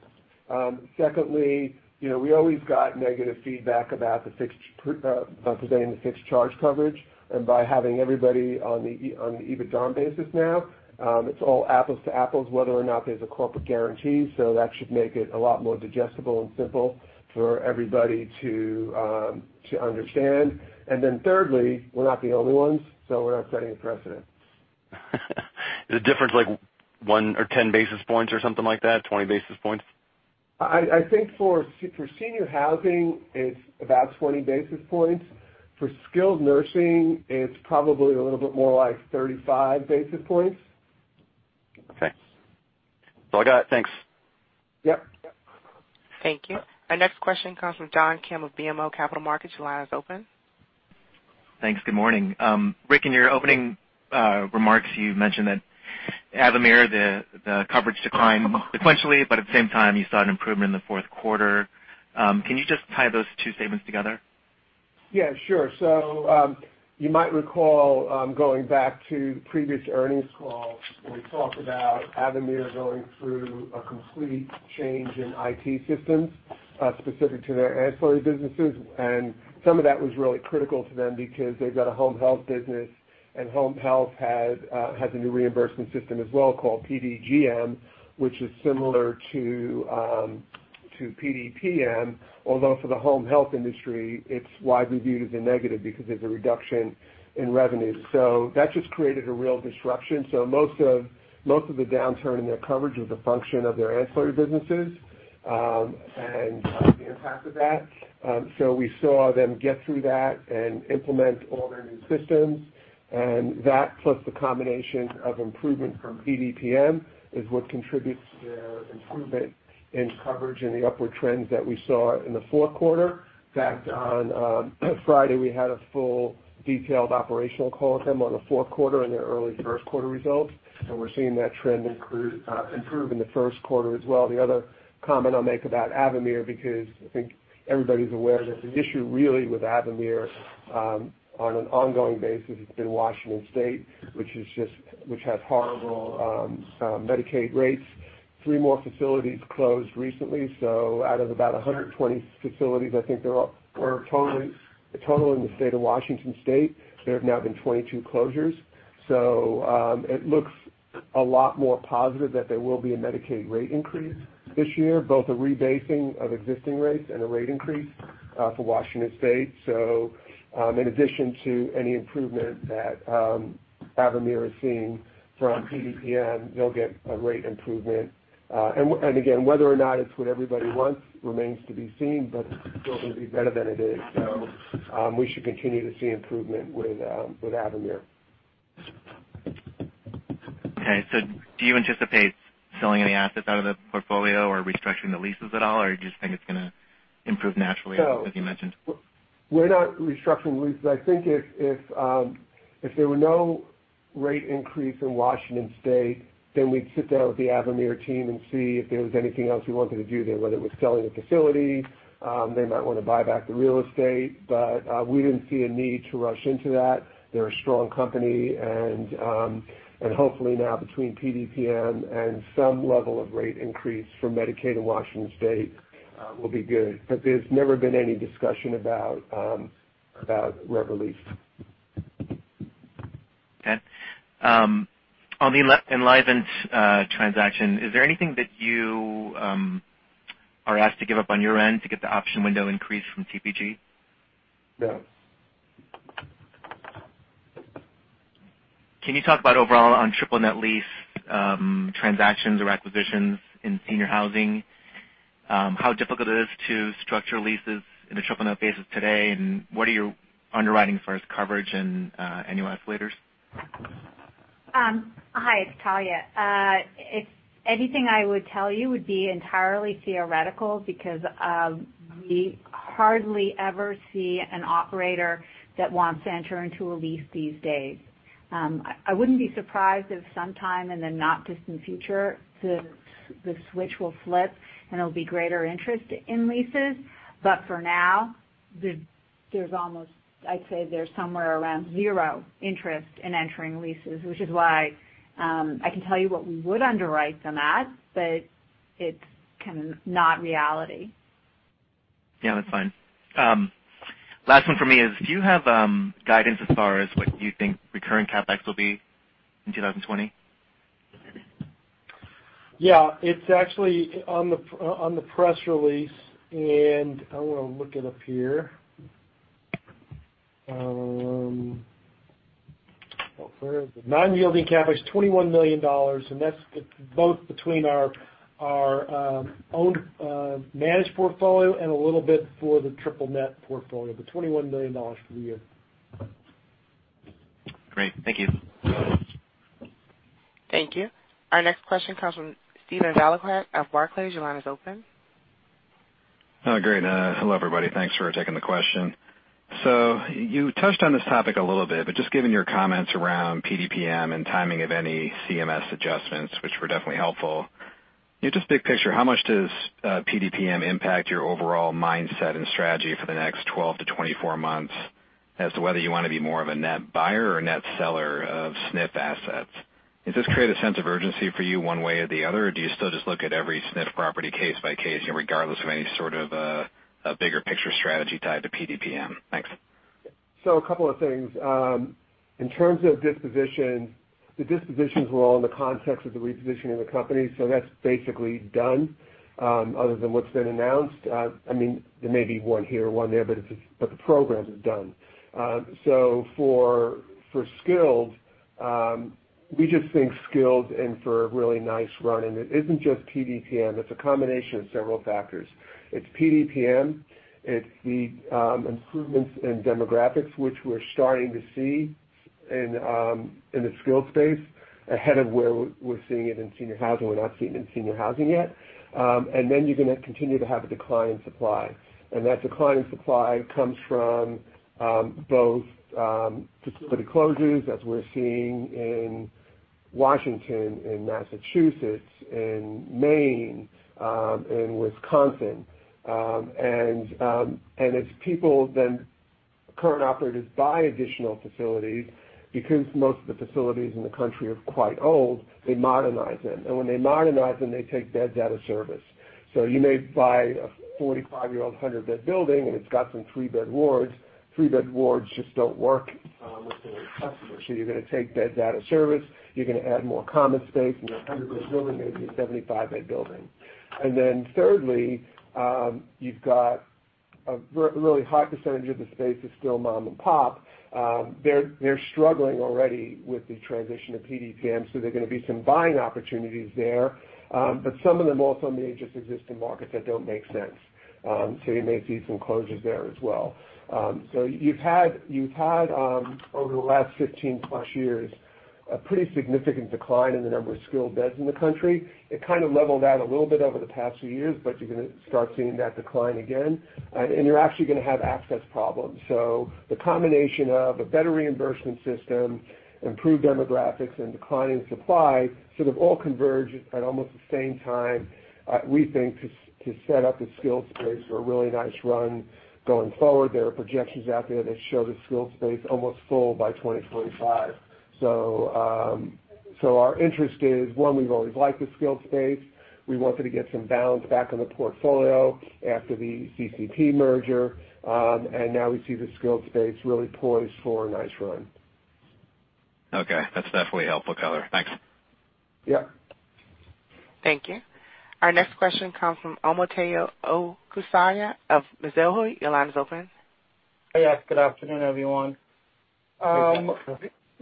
Speaker 3: it. Secondly, we always got negative feedback about presenting the fixed charge coverage, and by having everybody on the EBITDA basis now, it's all apples to apples, whether or not there's a corporate guarantee. That should make it a lot more digestible and simple for everybody to understand. Thirdly, we're not the only ones, so we're not setting a precedent.
Speaker 9: Is the difference like one or 10 basis points or something like that? 20 basis points?
Speaker 3: I think for senior housing, it's about 20 basis points. For skilled nursing, it's probably a little bit more, like 35 basis points.
Speaker 9: Okay. Well, I got it. Thanks.
Speaker 3: Yep.
Speaker 1: Thank you. Our next question comes from John Kim of BMO Capital Markets. Your line is open.
Speaker 10: Thanks. Good morning. Rick, in your opening remarks, you mentioned that Avamere, the coverage declined sequentially. At the same time, you saw an improvement in the fourth quarter. Can you just tie those two statements together?
Speaker 3: Yeah, sure. You might recall, going back to previous earnings calls, we talked about Avamere going through a complete change in IT systems, specific to their ancillary businesses. Some of that was really critical to them because they've got a home health business, and home health has a new reimbursement system as well, called PDGM, which is similar to PDPM, although for the home health industry, it's widely viewed as a negative because there's a reduction in revenue. That just created a real disruption. Most of the downturn in their coverage was a function of their ancillary businesses, and the impact of that. We saw them get through that and implement all their new systems, and that, plus the combination of improvement from PDPM, is what contributes to their improvement in coverage and the upward trends that we saw in the fourth quarter. On Friday, we had a full detailed operational call with them on the fourth quarter and their early first quarter results, and we're seeing that trend improve in the first quarter as well. The other comment I'll make about Avamere, because I think everybody's aware that the issue really with Avamere on an ongoing basis has been Washington State, which has horrible Medicaid rates. Three more facilities closed recently, so out of about 120 facilities, I think the total in the state of Washington State, there have now been 22 closures. It looks a lot more positive that there will be a Medicaid rate increase this year, both a rebasing of existing rates and a rate increase for Washington State. In addition to any improvement that Avamere is seeing from PDPM, they'll get a rate improvement. Again, whether or not it's what everybody wants remains to be seen, but it's still going to be better than it is. We should continue to see improvement with Avamere.
Speaker 10: Do you anticipate selling any assets out of the portfolio or restructuring the leases at all? Do you just think it's going to improve naturally, as you mentioned?
Speaker 3: We're not restructuring leases. I think if there were no rate increase in Washington State, then we'd sit down with the Avamere team and see if there was anything else we wanted to do there, whether it was selling a facility, they might want to buy back the real estate. We didn't see a need to rush into that. Hopefully now between PDPM and some level of rate increase for Medicaid in Washington State, we'll be good. There's never been any discussion about rev lease.
Speaker 10: Okay. On the Enlivant transaction, is there anything that you are asked to give up on your end to get the option window increase from TPG?
Speaker 3: No.
Speaker 10: Can you talk about overall on triple net lease transactions or acquisitions in senior housing, how difficult it is to structure leases in a triple net basis today, and what are you underwriting as far as coverage and annual escalators?
Speaker 5: Hi, it's Talya. Anything I would tell you would be entirely theoretical because we hardly ever see an operator that wants to enter into a lease these days. I wouldn't be surprised if sometime in the not distant future, the switch will flip, and there'll be greater interest in leases. For now, I'd say there's somewhere around zero interest in entering leases, which is why I can tell you what we would underwrite them at, but it's not reality.
Speaker 10: Yeah, that's fine. Last one from me is, do you have guidance as far as what you think recurring CapEx will be in 2020?
Speaker 3: Yeah. It's actually on the press release, and I want to look it up here. Where is it? Non-yielding cap is $21 million, and that's both between our owned managed portfolio and a little bit for the triple net portfolio, but $21 million for the year.
Speaker 10: Great. Thank you.
Speaker 1: Thank you. Our next question comes from Steven Valiquette of Barclays. Your line is open.
Speaker 11: Great. Hello, everybody. Thanks for taking the question. You touched on this topic a little bit, just given your comments around PDPM and timing of any CMS adjustments, which were definitely helpful, just big picture, how much does PDPM impact your overall mindset and strategy for the next 12 to 24 months as to whether you want to be more of a net buyer or a net seller of SNF assets? Does this create a sense of urgency for you one way or the other, or do you still just look at every SNF property case by case, regardless of any sort of a bigger picture strategy tied to PDPM? Thanks.
Speaker 3: A couple of things. In terms of disposition, the dispositions were all in the context of the repositioning of the company. That's basically done, other than what's been announced. There may be one here, one there, but the program is done. For skilled, we just think skilled in for a really nice run. It isn't just PDPM, it's a combination of several factors. It's PDPM, it's the improvements in demographics, which we're starting to see in the skilled space ahead of where we're seeing it in senior housing. We're not seeing it in senior housing yet. You're going to continue to have a decline in supply. That decline in supply comes from both facility closures, as we're seeing in Washington, in Massachusetts, in Maine, in Wisconsin. As people, then current operators buy additional facilities, because most of the facilities in the country are quite old, they modernize them. When they modernize them, they take beds out of service. You may buy a 45-year-old 100-bed building, and it's got some three-bed wards. Three-bed wards just don't work with today's customers. You're going to take beds out of service, you're going to add more common space, and your 100-bed building may be a 75-bed building. Thirdly, you've got a really high percentage of the space is still mom and pop. They're struggling already with the transition to PDPM, so there are going to be some buying opportunities there. Some of them also may just exist in markets that don't make sense. You may see some closures there as well. You've had, over the last 15 plus years, a pretty significant decline in the number of skilled beds in the country. It kind of leveled out a little bit over the past few years, but you're going to start seeing that decline again, and you're actually going to have access problems. The combination of a better reimbursement system, improved demographics, and declining supply sort of all converge at almost the same time, we think, to set up the skilled space for a really nice run going forward. There are projections out there that show the skilled space almost full by 2025. Our interest is, one, we've always liked the skilled space. We wanted to get some balance back on the portfolio after the CCP merger, and now we see the skilled space really poised for a nice run.
Speaker 11: Okay. That's definitely helpful color. Thanks.
Speaker 3: Yeah.
Speaker 1: Thank you. Our next question comes from Omotayo Okusanya of Mizuho. Your line is open.
Speaker 12: Yes. Good afternoon, everyone.
Speaker 3: Hey, Tayo.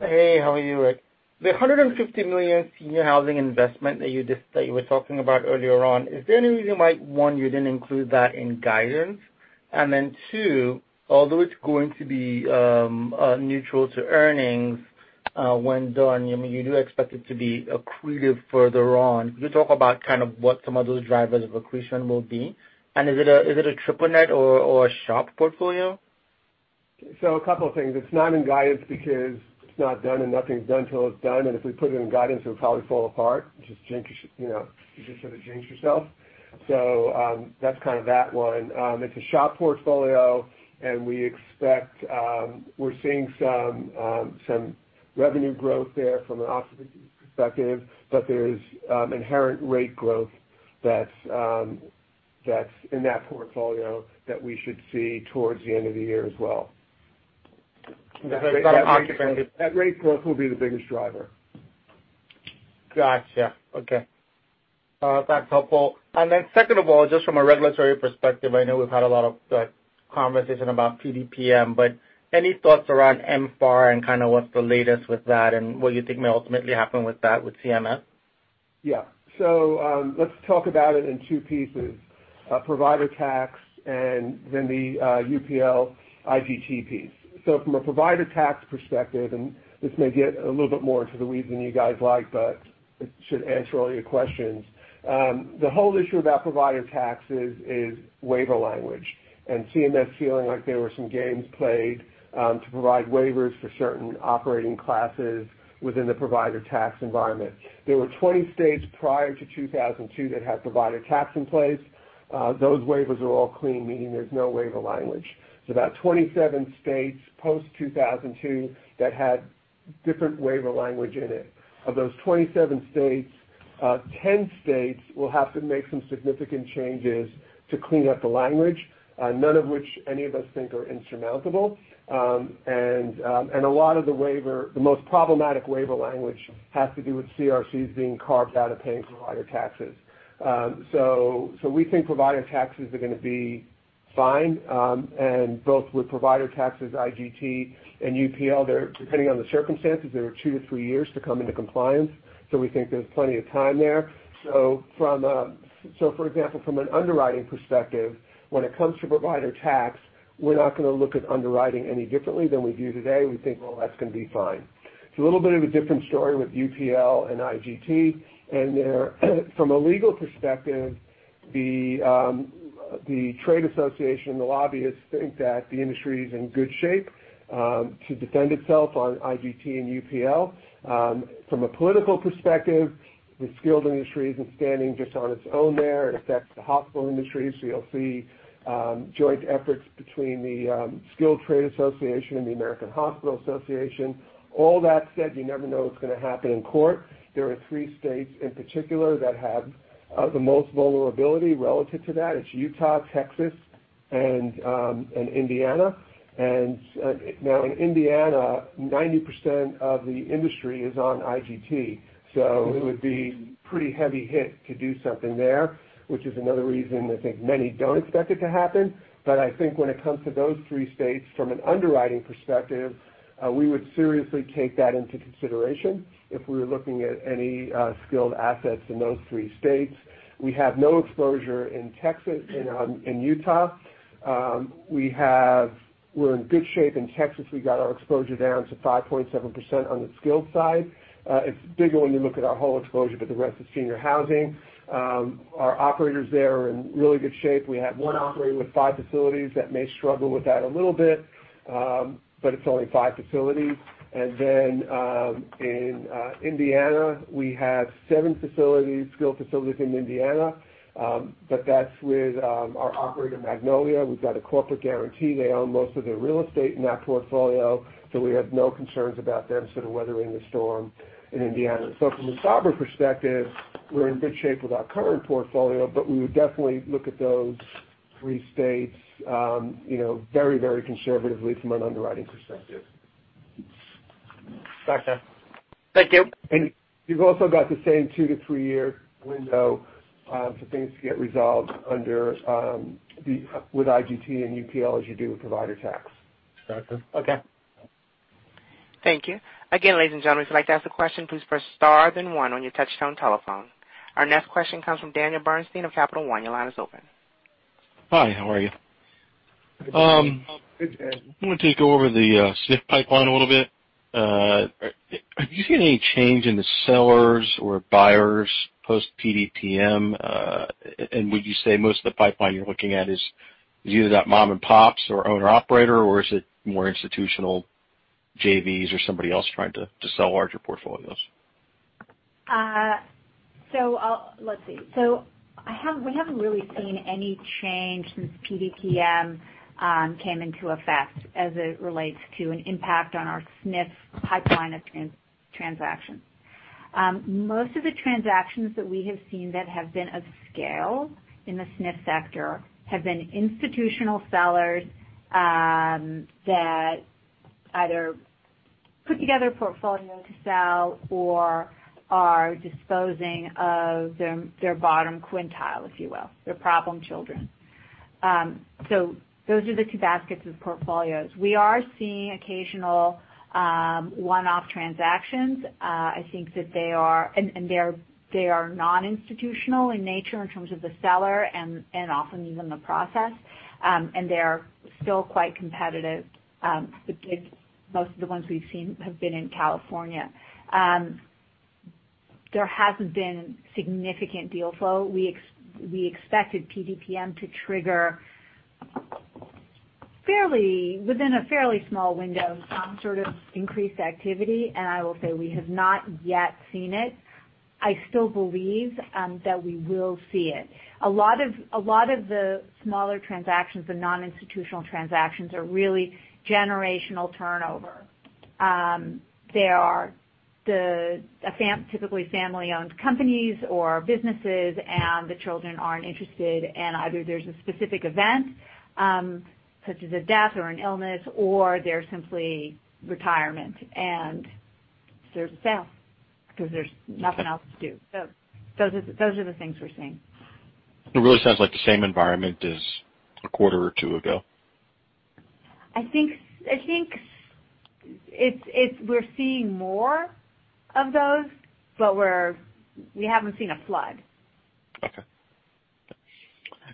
Speaker 12: Hey, how are you, Rick? The $150 million senior housing investment that you were talking about earlier on, is there any reason why, one, you didn't include that in guidance? Two, although it's going to be neutral to earnings when done, you do expect it to be accretive further on. Can you talk about kind of what some of those drivers of accretion will be, and is it a triple net or a SHOP portfolio?
Speaker 3: A couple of things. It's not in guidance because it's not done. Nothing's done till it's done. If we put it in guidance, it'll probably fall apart. You just sort of jinx yourself. That's kind of that one. It's a SHOP portfolio, and we expect we're seeing some revenue growth there from an occupancy perspective, but there's inherent rate growth that's in that portfolio that we should see towards the end of the year as well.
Speaker 12: That's occupancy.
Speaker 3: That rate growth will be the biggest driver.
Speaker 12: Gotcha. Okay. That's helpful. Second of all, just from a regulatory perspective, I know we've had a lot of conversation about PDPM, any thoughts around MFAR and kind of what's the latest with that and what you think may ultimately happen with that with CMS?
Speaker 3: Let's talk about it in two pieces, provider tax and then the UPL IGTP piece. From a provider tax perspective, this may get a little bit more into the weeds than you guys like, but it should answer all your questions. The whole issue about provider taxes is waiver language, and CMS feeling like there were some games played to provide waivers for certain operating classes within the provider tax environment. There were 20 states prior to 2002 that had provider tax in place. Those waivers are all clean, meaning there's no waiver language. There's about 27 states post-2002 that had different waiver language in it. Of those 27 states, 10 states will have to make some significant changes to clean up the language, none of which any of us think are insurmountable. A lot of the waiver, the most problematic waiver language has to do with CCRCs being carved out of paying provider taxes. We think provider taxes are going to be fine. Both with provider taxes, IGT and UPL, depending on the circumstances, they have two to three years to come into compliance. We think there's plenty of time there. For example, from an underwriting perspective, when it comes to provider tax, we're not going to look at underwriting any differently than we do today. We think all that's going to be fine. It's a little bit of a different story with UPL and IGT, and from a legal perspective, the trade association and the lobbyists think that the industry is in good shape to defend itself on IGT and UPL. From a political perspective, the skilled industry isn't standing just on its own there. It affects the hospital industry. You'll see joint efforts between the American Health Care Association and the American Hospital Association. All that said, you never know what's going to happen in court. There are three states in particular that have the most vulnerability relative to that. It's Utah, Texas, and Indiana. Now in Indiana, 90% of the industry is on IGT. It would be pretty heavy hit to do something there, which is another reason I think many don't expect it to happen. I think when it comes to those three states, from an underwriting perspective, we would seriously take that into consideration if we were looking at any skilled assets in those three states. We have no exposure in Texas and in Utah. We're in good shape in Texas. We got our exposure down to 5.7% on the skilled side. It's bigger when you look at our whole exposure with the rest of senior housing. Our operators there are in really good shape. We have one operator with five facilities that may struggle with that a little bit, but it's only five facilities. In Indiana, we have seven facilities, skilled facilities in Indiana, but that's with our operator, Magnolia. We've got a corporate guarantee. They own most of their real estate in that portfolio, so we have no concerns about them sort of weathering the storm in Indiana. From a Sabra perspective, we're in good shape with our current portfolio, but we would definitely look at those three states very conservatively from an underwriting perspective.
Speaker 12: Gotcha. Thank you.
Speaker 3: You've also got the same two to three year window for things to get resolved with IGT and UPL as you do with provider tax.
Speaker 12: Gotcha. Okay.
Speaker 1: Thank you. Again, ladies and gentlemen, if you'd like to ask a question, please press star then one on your touchtone telephone. Our next question comes from Daniel Bernstein of Capital One. Your line is open.
Speaker 13: Hi, how are you?
Speaker 3: Good, Dan.
Speaker 13: I want to take over the SNF pipeline a little bit. Have you seen any change in the sellers or buyers post PDPM? Would you say most of the pipeline you're looking at is viewed as that mom and pops or owner operator, or is it more institutional JVs or somebody else trying to sell larger portfolios?
Speaker 5: Let's see. We haven't really seen any change since PDPM came into effect as it relates to an impact on our SNF pipeline of transactions. Most of the transactions that we have seen that have been of scale in the SNF sector have been institutional sellers, that either put together a portfolio to sell or are disposing of their bottom quintile, if you will, their problem children. Those are the two baskets of portfolios. We are seeing occasional one-off transactions. I think that they are non-institutional in nature in terms of the seller and often even the process. They are still quite competitive, but most of the ones we've seen have been in California. There hasn't been significant deal flow. We expected PDPM to trigger within a fairly small window, some sort of increased activity, and I will say we have not yet seen it. I still believe that we will see it. A lot of the smaller transactions, the non-institutional transactions, are really generational turnover. They are typically family-owned companies or businesses, and the children aren't interested, and either there's a specific event, such as a death or an illness, or they're simply retirement. There's a sale because there's nothing else to do. Those are the things we're seeing.
Speaker 13: It really sounds like the same environment as a quarter or two ago.
Speaker 5: I think we're seeing more of those, but we haven't seen a flood.
Speaker 13: Okay.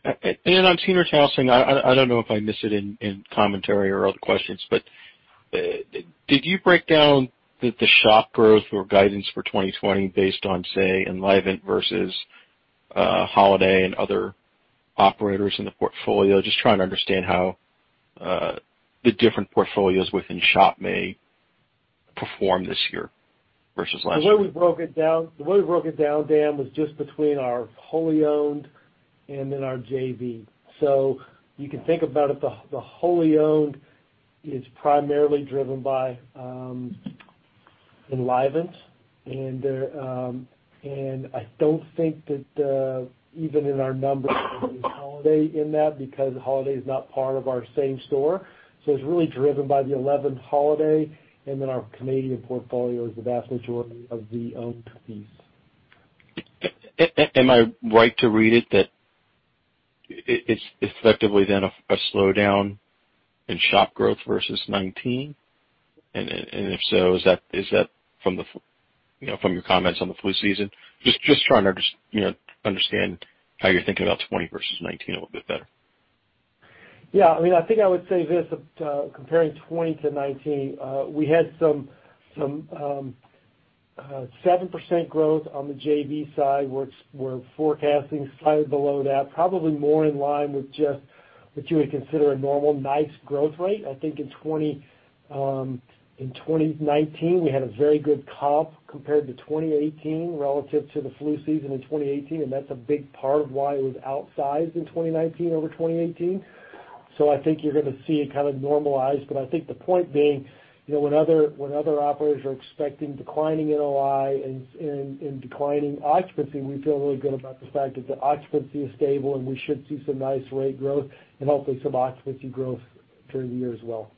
Speaker 13: On senior housing, I don't know if I missed it in commentary or other questions, but did you break down the SHOP growth or guidance for 2020 based on, say, Enlivant versus Holiday and other operators in the portfolio? Just trying to understand how the different portfolios within SHOP may perform this year versus last year.
Speaker 3: The way we broke it down, Dan, was just between our wholly owned and then our JV. You can think about it, the wholly owned is primarily driven by Enlivant, and I don't think that even in our numbers there is Holiday in that, because Holiday is not part of our same store. It's really driven by the Enlivant Holiday, and then our Canadian portfolio is the vast majority of the owned piece.
Speaker 13: Am I right to read it that it's effectively then a slowdown in SHOP growth versus 2019? If so, is that from your comments on the flu season? Just trying to understand how you're thinking about 2020 versus 2019 a little bit better.
Speaker 3: Yeah, I think I would say this, comparing 2020 to 2019, we had some 7% growth on the JV side. We're forecasting slightly below that, probably more in line with just what you would consider a normal, nice growth rate. I think in 2019, we had a very good comp compared to 2018 relative to the flu season in 2018, and that's a big part of why it was outsized in 2019 over 2018. I think you're going to see it kind of normalize. I think the point being, when other operators are expecting declining NOI and declining occupancy, we feel really good about the fact that the occupancy is stable, and we should see some nice rate growth and hopefully some occupancy growth during the year as well.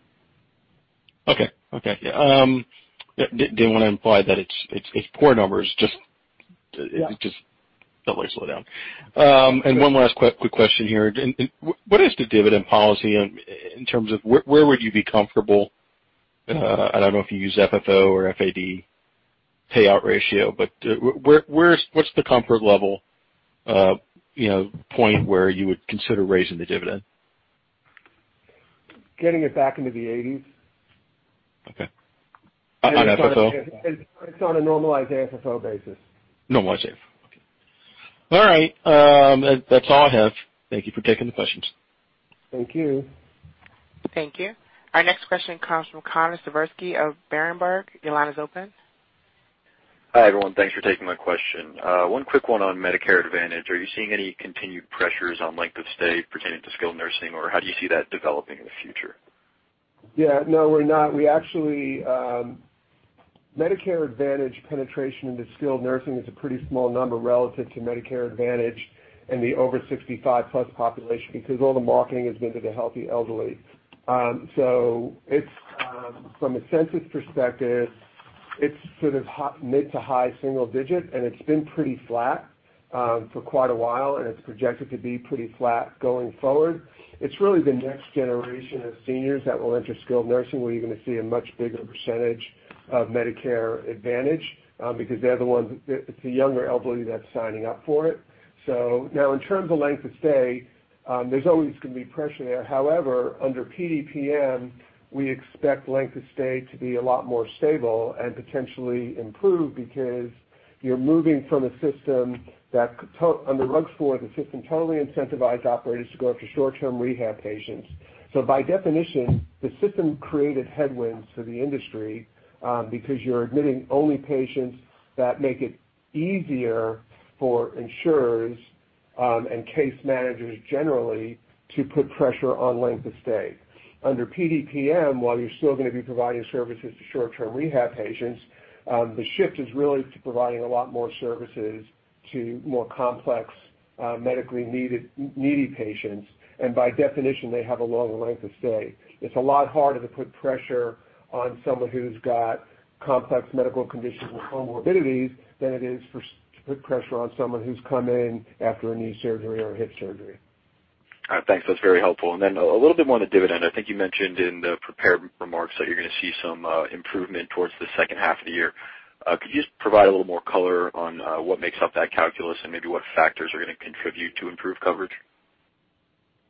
Speaker 13: Okay. Didn't want to imply that it's poor numbers.
Speaker 3: Yeah
Speaker 13: Felt like a slowdown. One last quick question here. What is the dividend policy in terms of where would you be comfortable? I don't know if you use FFO or FAD payout ratio, but what's the comfort level, point where you would consider raising the dividend?
Speaker 3: Getting it back into the 80s.
Speaker 13: Okay. On FFO?
Speaker 3: It's on a normalized FFO basis.
Speaker 13: Normalized, okay. All right. That's all I have. Thank you for taking the questions.
Speaker 3: Thank you.
Speaker 1: Thank you. Our next question comes from Connor Siversky of Berenberg. Your line is open.
Speaker 14: Hi, everyone. Thanks for taking my question. One quick one on Medicare Advantage. Are you seeing any continued pressures on length of stay pertaining to skilled nursing, or how do you see that developing in the future?
Speaker 3: No, we're not. Medicare Advantage penetration into skilled nursing is a pretty small number relative to Medicare Advantage and the over 65+ population, because all the marketing has been to the healthy elderly. From a census perspective, it's sort of mid to high single digit, and it's been pretty flat for quite a while, and it's projected to be pretty flat going forward. It's really the next generation of seniors that will enter skilled nursing, where you're going to see a much bigger percentage of Medicare Advantage, because it's the younger elderly that's signing up for it. Now in terms of length of stay, there's always going to be pressure there. However, under PDPM, we expect length of stay to be a lot more stable and potentially improve because you're moving from a system that, under RUG IV, the system totally incentivized operators to go after short-term rehab patients. By definition, the system created headwinds for the industry, because you're admitting only patients that make it easier for insurers, and case managers generally, to put pressure on length of stay. Under PDPM, while you're still going to be providing services to short-term rehab patients, the shift is really to providing a lot more services to more complex, medically needy patients. By definition, they have a longer length of stay. It's a lot harder to put pressure on someone who's got complex medical conditions and comorbidities than it is to put pressure on someone who's come in after a knee surgery or a hip surgery.
Speaker 14: All right, thanks. That's very helpful. A little bit more on the dividend. I think you mentioned in the prepared remarks that you're going to see some improvement towards the second half of the year. Could you just provide a little more color on what makes up that calculus and maybe what factors are going to contribute to improved coverage?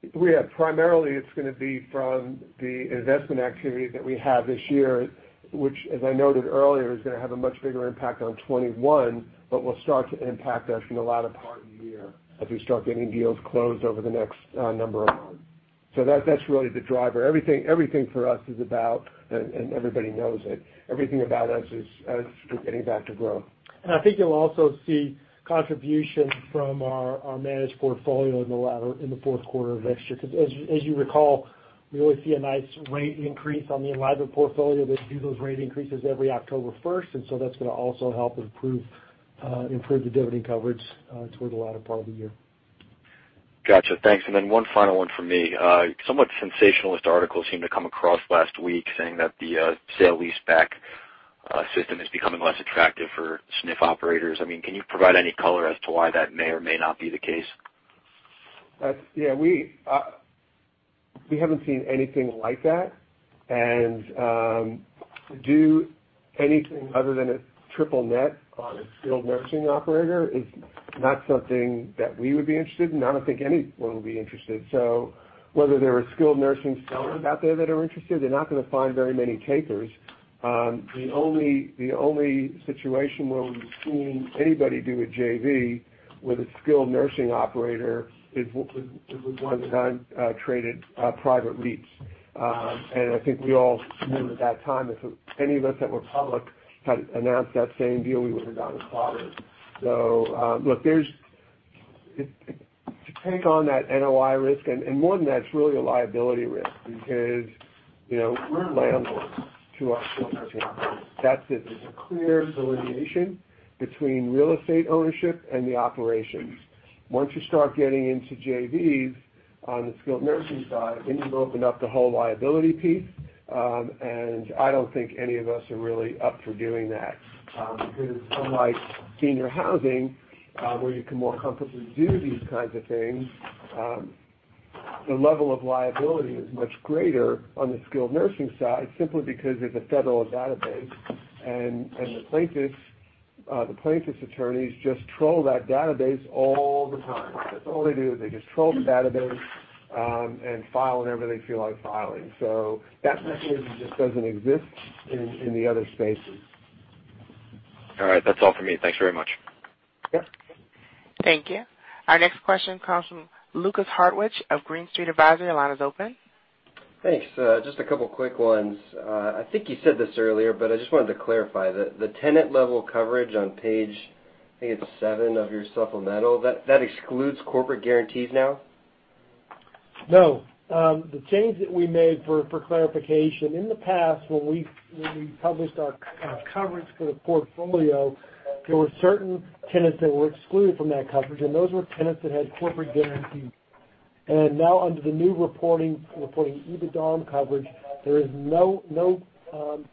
Speaker 3: Yeah. Primarily, it's going to be from the investment activity that we have this year, which, as I noted earlier, is going to have a much bigger impact on 2021, but will start to impact us in the latter part of the year as we start getting deals closed over the next number of months. That's really the driver. Everything for us is about, and everybody knows it, everything about us is getting back to growth.
Speaker 4: I think you'll also see contribution from our managed portfolio in the fourth quarter of next year, because as you recall, we always see a nice rate increase on the Enlivant portfolio. They do those rate increases every October 1st, and so that's going to also help improve the dividend coverage towards the latter part of the year.
Speaker 14: Got you. Thanks. One final one from me. A somewhat sensationalist article seemed to come across last week saying that the sale-leaseback system is becoming less attractive for SNF operators. Can you provide any color as to why that may or may not be the case?
Speaker 3: Yeah, we haven't seen anything like that, and to do anything other than a triple net on a skilled nursing operator is not something that we would be interested in. I don't think anyone would be interested. Whether there are skilled nursing sellers out there that are interested, they're not going to find very many takers. The only situation where we've seen anybody do a JV with a skilled nursing operator is with ones that untraded private REITs. I think we all remember that time, if any of us that were public had announced that same deal, we would have gone to take on that NOI risk, and more than that, it's really a liability risk because we're landlords to our skilled nursing operators. That's it. There's a clear delineation between real estate ownership and the operations. Once you start getting into JVs. On the skilled nursing side, then you open up the whole liability piece. I don't think any of us are really up for doing that. Because unlike senior housing, where you can more comfortably do these kinds of things, the level of liability is much greater on the skilled nursing side, simply because there's a federal database, and the plaintiffs' attorneys just troll that database all the time. That's all they do, is they just troll the database, and file whenever they feel like filing. That mechanism just doesn't exist in the other spaces. All right. That's all for me. Thanks very much. Yeah.
Speaker 1: Thank you. Our next question comes from Lukas Hartwich of Green Street Advisors. Your line is open.
Speaker 15: Thanks. Just a couple of quick ones. I think you said this earlier, but I just wanted to clarify, the tenant-level coverage on page, I think it's seven of your supplemental, that excludes corporate guarantees now?
Speaker 3: No. The change that we made, for clarification, in the past when we published our coverage for the portfolio, there were certain tenants that were excluded from that coverage, and those were tenants that had corporate guarantees. Now under the new reporting, EBITDA coverage, there is no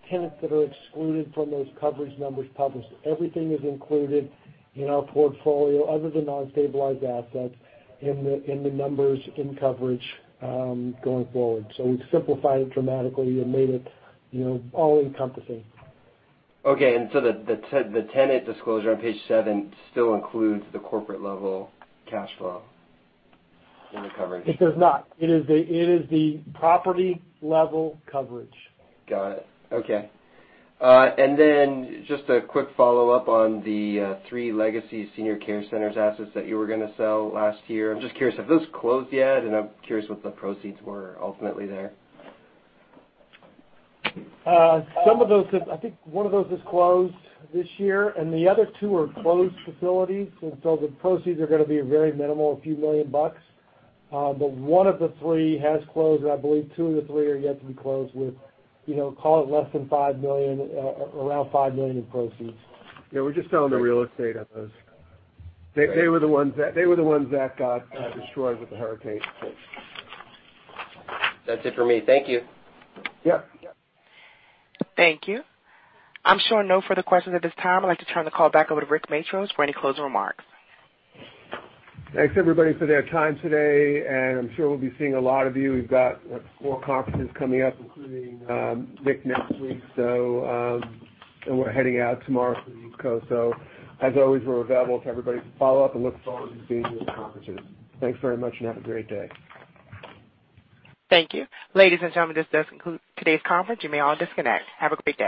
Speaker 3: tenants that are excluded from those coverage numbers published. Everything is included in our portfolio, other than non-stabilized assets in the numbers in coverage, going forward. We've simplified it dramatically and made it all-encompassing.
Speaker 15: Okay. The tenant disclosure on page seven still includes the corporate-level cash flow in the coverage?
Speaker 3: It does not. It is the property-level coverage.
Speaker 15: Got it. Okay. Just a quick follow-up on the three Legacy Senior Living assets that you were going to sell last year. I'm just curious, have those closed yet? I'm curious what the proceeds were ultimately there.
Speaker 3: Some of those have I think one of those has closed this year, and the other two are closed facilities, and so the proceeds are going to be very minimal, a few million dollars. One of the three has closed, and I believe two of the three are yet to be closed with, call it less than $5 million, around $5 million in proceeds. Yeah, we're just selling the real estate of those. They were the ones that got destroyed with the hurricanes.
Speaker 15: That's it for me. Thank you.
Speaker 3: Yeah.
Speaker 1: Thank you. I'm showing no further questions at this time. I'd like to turn the call back over to Rick Matros for any closing remarks.
Speaker 3: Thanks everybody for their time today, and I'm sure we'll be seeing a lot of you. We've got four conferences coming up, including NIC next week, and we're heading out tomorrow for the East Coast. As always, we're available to everybody for follow-up and look forward to seeing you at the conferences. Thanks very much and have a great day.
Speaker 1: Thank you. Ladies and gentlemen, this does conclude today's conference. You may all disconnect. Have a great day.